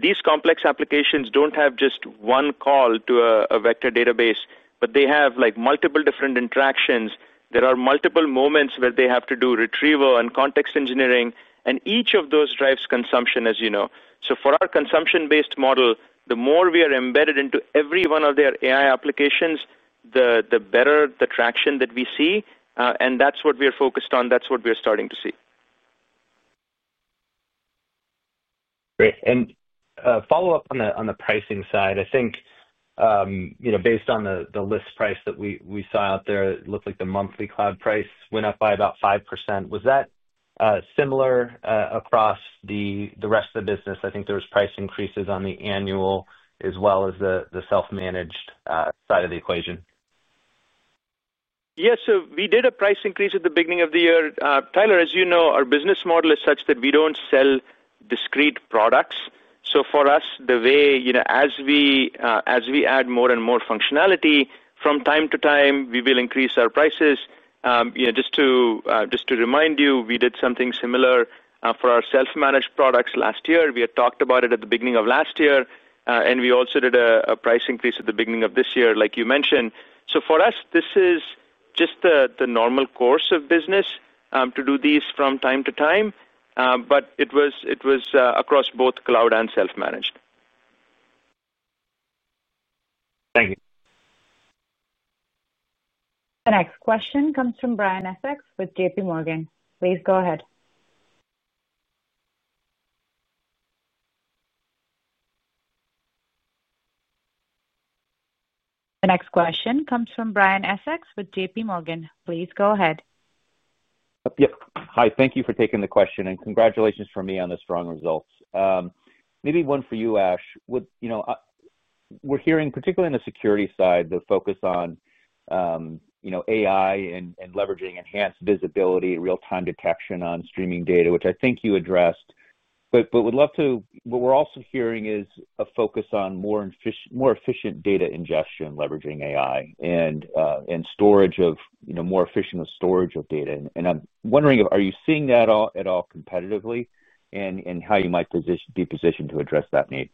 these complex applications don't have just one call to a vector database, but they have multiple different interactions. There are multiple moments where they have to do retrieval and context engineering, and each of those drives consumption, as you know. For our consumption-based model, the more we are embedded into every one of their AI applications, the better the traction that we see. That's what we are focused on. That's what we are starting to see. Great. A follow-up on the pricing side, I think, you know, based on the list price that we saw out there, it looked like the monthly cloud price went up by about 5%. Was that similar across the rest of the business? I think there were price increases on the annual as well as the self-managed side of the equation. Yeah, we did a price increase at the beginning of the year. Tyler, as you know, our business model is such that we don't sell discrete products. For us, the way, you know, as we add more and more functionality, from time to time, we will increase our prices. Just to remind you, we did something similar for our self-managed products last year. We had talked about it at the beginning of last year, and we also did a price increase at the beginning of this year, like you mentioned. For us, this is just the normal course of business to do these from time to time, but it was across both cloud and self-managed. Thank you. The next question comes from Brian Essex with JPMorgan. Please go ahead. Yeah, hi. Thank you for taking the question, and congratulations from me on the strong results. Maybe one for you, Ash. You know, we're hearing, particularly on the security side, the focus on AI and leveraging enhanced visibility, real-time detection on streaming data, which I think you addressed. We'd love to, what we're also hearing is a focus on more efficient data ingestion, leveraging AI, and storage of more efficient storage of data. I'm wondering, are you seeing that at all competitively and how you might be positioned to address that need?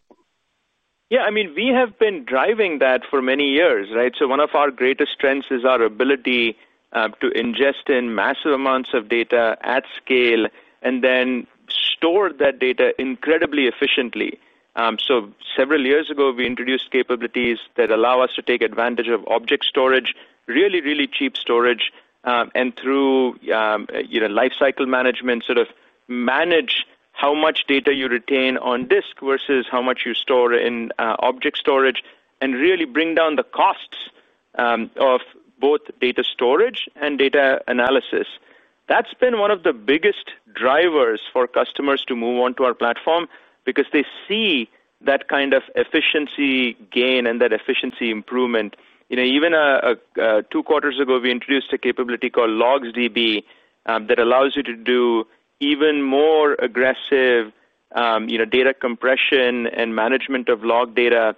Yeah, I mean, we have been driving that for many years, right? One of our greatest strengths is our ability to ingest massive amounts of data at scale and then store that data incredibly efficiently. Several years ago, we introduced capabilities that allow us to take advantage of object storage, really, really cheap storage, and through lifecycle management, sort of manage how much data you retain on disk versus how much you store in object storage and really bring down the costs of both data storage and data analysis. That's been one of the biggest drivers for customers to move on to our platform because they see that kind of efficiency gain and that efficiency improvement. Even two quarters ago, we introduced a capability called Elasticsearch LogsDB index mode that allows you to do even more aggressive data compression and management of log data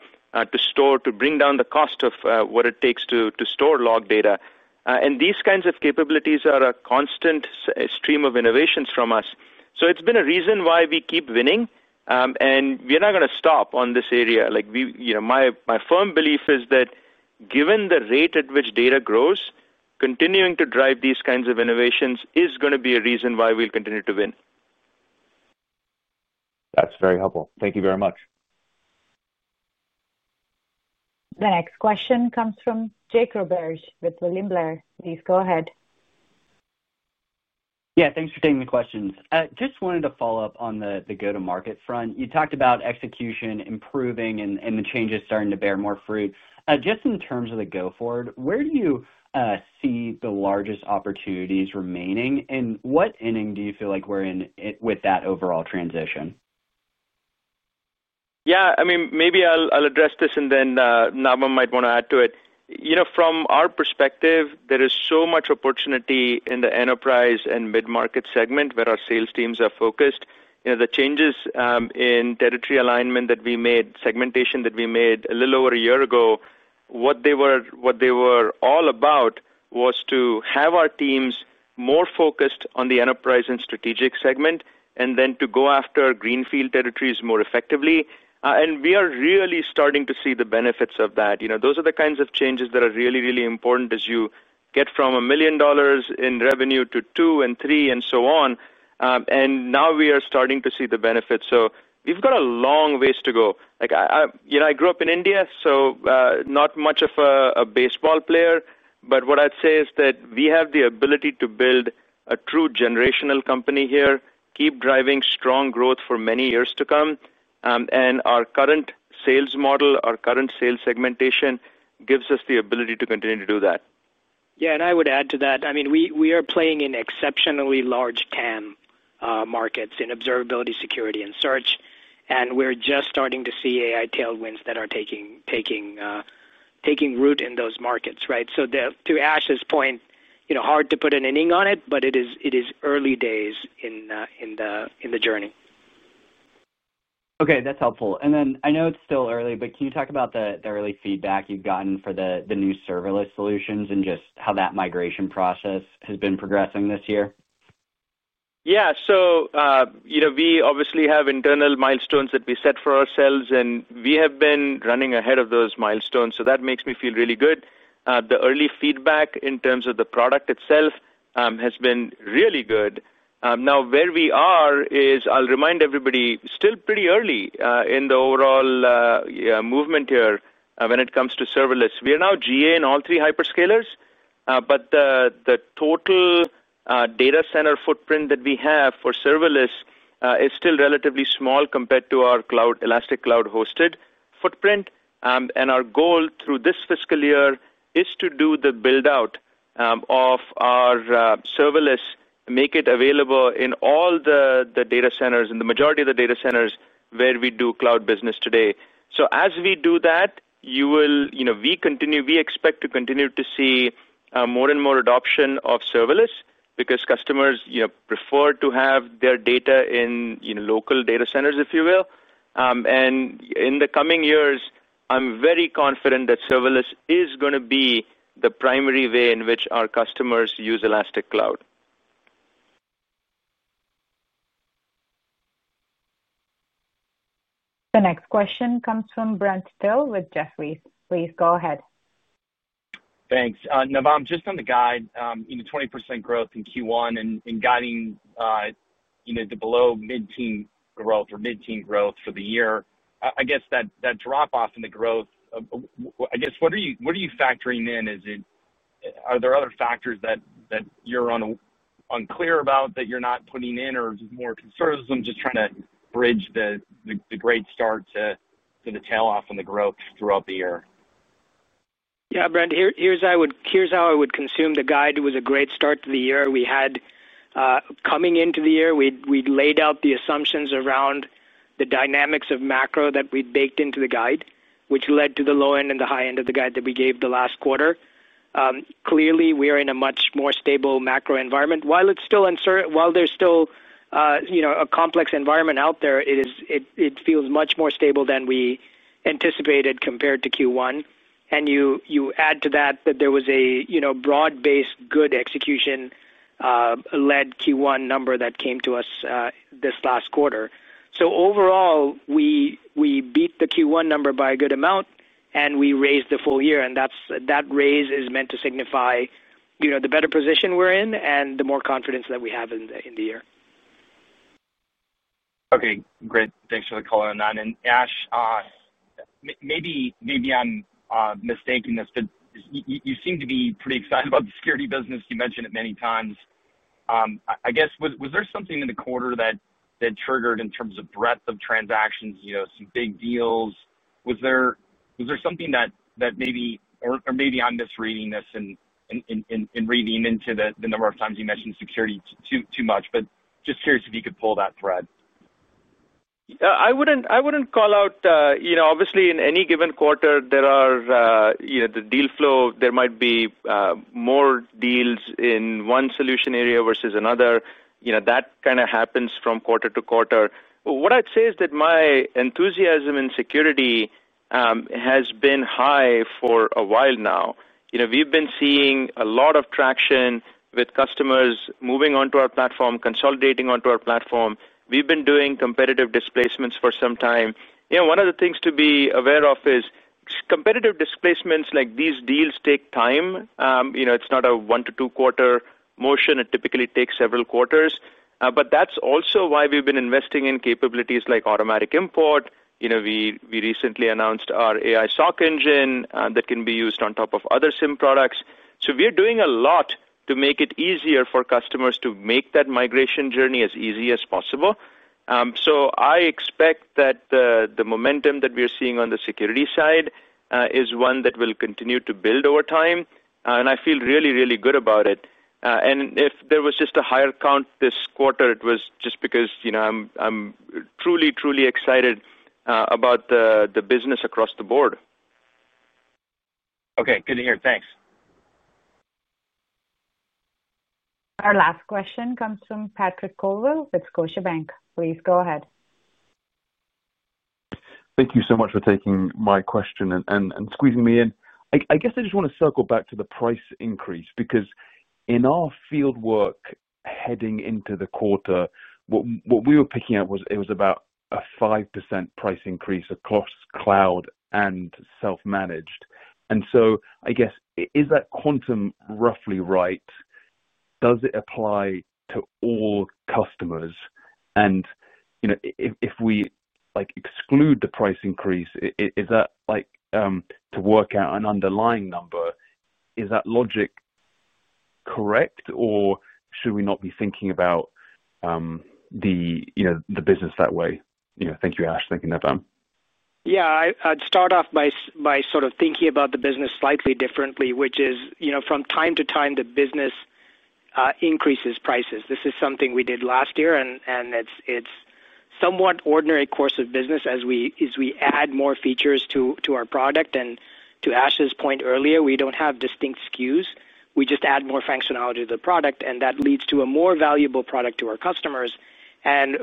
to bring down the cost of what it takes to store log data. These kinds of capabilities are a constant stream of innovations from us. It's been a reason why we keep winning, and we're not going to stop in this area. My firm belief is that given the rate at which data grows, continuing to drive these kinds of innovations is going to be a reason why we'll continue to win. That's very helpful. Thank you very much. The next question comes from Jacob Esch with William Blair. Please go ahead. Thanks for taking the questions. I just wanted to follow up on the go-to-market front. You talked about execution improving and the changes starting to bear more fruit. Just in terms of the go-forward, where do you see the largest opportunities remaining? What inning do you feel like we're in with that overall transition? Yeah, I mean, maybe I'll address this, and then Navam might want to add to it. You know, from our perspective, there is so much opportunity in the enterprise and mid-market segment where our sales teams are focused. The changes in territory alignment that we made, segmentation that we made a little over a year ago, what they were all about was to have our teams more focused on the enterprise and strategic segment and then to go after greenfield territories more effectively. We are really starting to see the benefits of that. Those are the kinds of changes that are really, really important as you get from $1 million in revenue to $2 million and $3 million and so on. We are starting to see the benefits. We've got a long ways to go. Like, you know, I grew up in India, so not much of a baseball player, but what I'd say is that we have the ability to build a true generational company here, keep driving strong growth for many years to come. Our current sales model, our current sales segmentation gives us the ability to continue to do that. Yeah, I would add to that. I mean, we are playing in exceptionally large TAM markets in observability, security, and search. We're just starting to see AI tailwinds that are taking root in those markets, right? To Ash's point, you know, hard to put an inning on it, but it is early days in the journey. Okay, that's helpful. I know it's still early, but can you talk about the early feedback you've gotten for the new serverless solutions and just how that migration process has been progressing this year? Yeah, we obviously have internal milestones that we set for ourselves, and we have been running ahead of those milestones. That makes me feel really good. The early feedback in terms of the product itself has been really good. Now, where we are is, I'll remind everybody, still pretty early in the overall movement here when it comes to serverless. We are now GA in all three hyperscalers, but the total data center footprint that we have for serverless is still relatively small compared to our Elastic Cloud Hosted footprint. Our goal through this fiscal year is to do the build-out of our serverless, make it available in all the data centers, in the majority of the data centers where we do cloud business today. As we do that, we continue, we expect to continue to see more and more adoption of serverless because customers prefer to have their data in local data centers, if you will. In the coming years, I'm very confident that serverless is going to be the primary way in which our customers use Elastic Cloud. The next question comes from Brent Thill with Jefferies. Please go ahead. Thanks. Navam, just on the guide, you know, 20% growth in Q1 and guiding to below mid-teens growth or mid-teens growth for the year. I guess that drop-off in the growth, I guess, what are you factoring in? Are there other factors that you're unclear about that you're not putting in, or is it more conservatism just trying to bridge the great start to the tail-off on the growth throughout the year? Yeah, Brent, here's how I would consume the guide. It was a great start to the year. We had, coming into the year, laid out the assumptions around the dynamics of macro that we'd baked into the guide, which led to the low end and the high end of the guide that we gave the last quarter. Clearly, we're in a much more stable macro environment. While it's still uncertain, while there's still a complex environment out there, it feels much more stable than we anticipated compared to Q1. You add to that that there was a broad-based good execution-led Q1 number that came to us this last quarter. Overall, we beat the Q1 number by a good amount, and we raised the full year. That raise is meant to signify the better position we're in and the more confidence that we have in the year. Okay, great. Thanks for the call on that. Ash, maybe I'm mistaking this, but you seem to be pretty excited about the security business. You mentioned it many times. Was there something in the quarter that triggered in terms of breadth of transactions, you know, some big deals? Was there something that maybe, or maybe I'm misreading this and reading into the number of times you mentioned security too much, but just curious if you could pull that thread. I wouldn't call out, obviously in any given quarter, there are the deal flow, there might be more deals in one solution area versus another. That kind of happens from quarter to quarter. What I'd say is that my enthusiasm in security has been high for a while now. We've been seeing a lot of traction with customers moving onto our platform, consolidating onto our platform. We've been doing competitive displacements for some time. One of the things to be aware of is competitive displacements, like these deals take time. It's not a one-to-two quarter motion. It typically takes several quarters. That's also why we've been investing in capabilities like Elastic Automatic Import. We recently announced our Elastic AI SOC Engine that can be used on top of other SIEM products. We're doing a lot to make it easier for customers to make that migration journey as easy as possible. I expect that the momentum that we're seeing on the security side is one that will continue to build over time. I feel really, really good about it. If there was just a higher count this quarter, it was just because, you know, I'm truly. Truly Excited about the business across the board. Okay, good to hear. Thanks. Our last question comes from Patrick Colville with Scotiabank. Please go ahead. Thank you so much for taking my question and squeezing me in. I guess I just want to circle back to the price increase because in our fieldwork heading into the quarter, what we were picking up was it was about a 5% price increase across cloud and self-managed. Is that quantum roughly right? Does it apply to all customers? If we exclude the price increase, is that to work out an underlying number? Is that logic correct or should we not be thinking about the business that way? Thank you, Ash. Thank you, Navam. Yeah, I'd start off by sort of thinking about the business slightly differently, which is from time to time, the business increases prices. This is something we did last year, and it's a somewhat ordinary course of business as we add more features to our product. To Ash's point earlier, we don't have distinct SKUs. We just add more functionality to the product, and that leads to a more valuable product to our customers.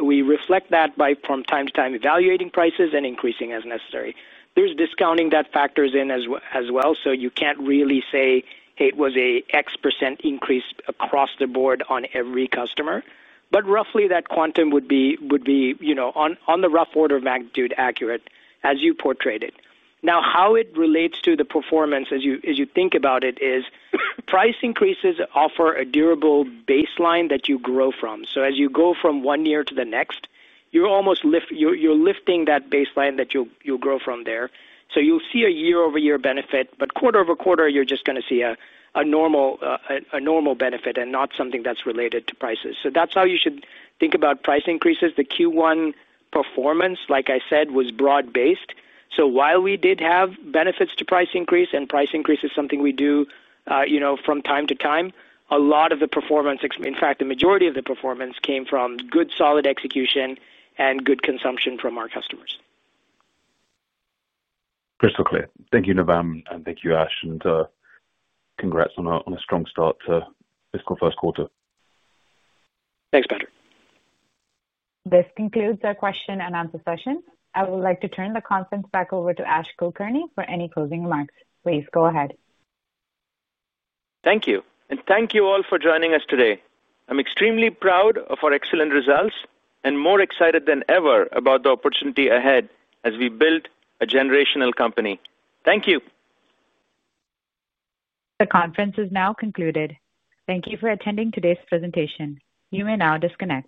We reflect that by from time to time evaluating prices and increasing as necessary. There's discounting that factors in as well. You can't really say, hey, it was an X% increase across the board on every customer. Roughly that quantum would be on the rough order of magnitude accurate as you portrayed it. Now, how it relates to the performance as you think about it is price increases offer a durable baseline that you grow from. As you go from one year to the next, you're almost lifting that baseline that you'll grow from there. You'll see a year-over-year benefit, but quarter-over-quarter, you're just going to see a normal benefit and not something that's related to prices. That's how you should think about price increases. The Q1 performance, like I said, was broad-based. While we did have benefits to price increase and price increase is something we do from time to time, a lot of the performance, in fact, the majority of the performance came from good solid execution and good consumption from our customers. Crystal clear. Thank you, Navam, and thank you, Ash. Congrats on a strong start to fiscal first quarter. Thanks, Patrick. This concludes our question and answer session. I would like to turn the conference back over to Ash Kulkarni for any closing remarks. Please go ahead. Thank you. Thank you all for joining us today. I'm extremely proud of our excellent results and more excited than ever about the opportunity ahead as we build a generational company. Thank you. The conference is now concluded. Thank you for attending today's presentation. You may now disconnect.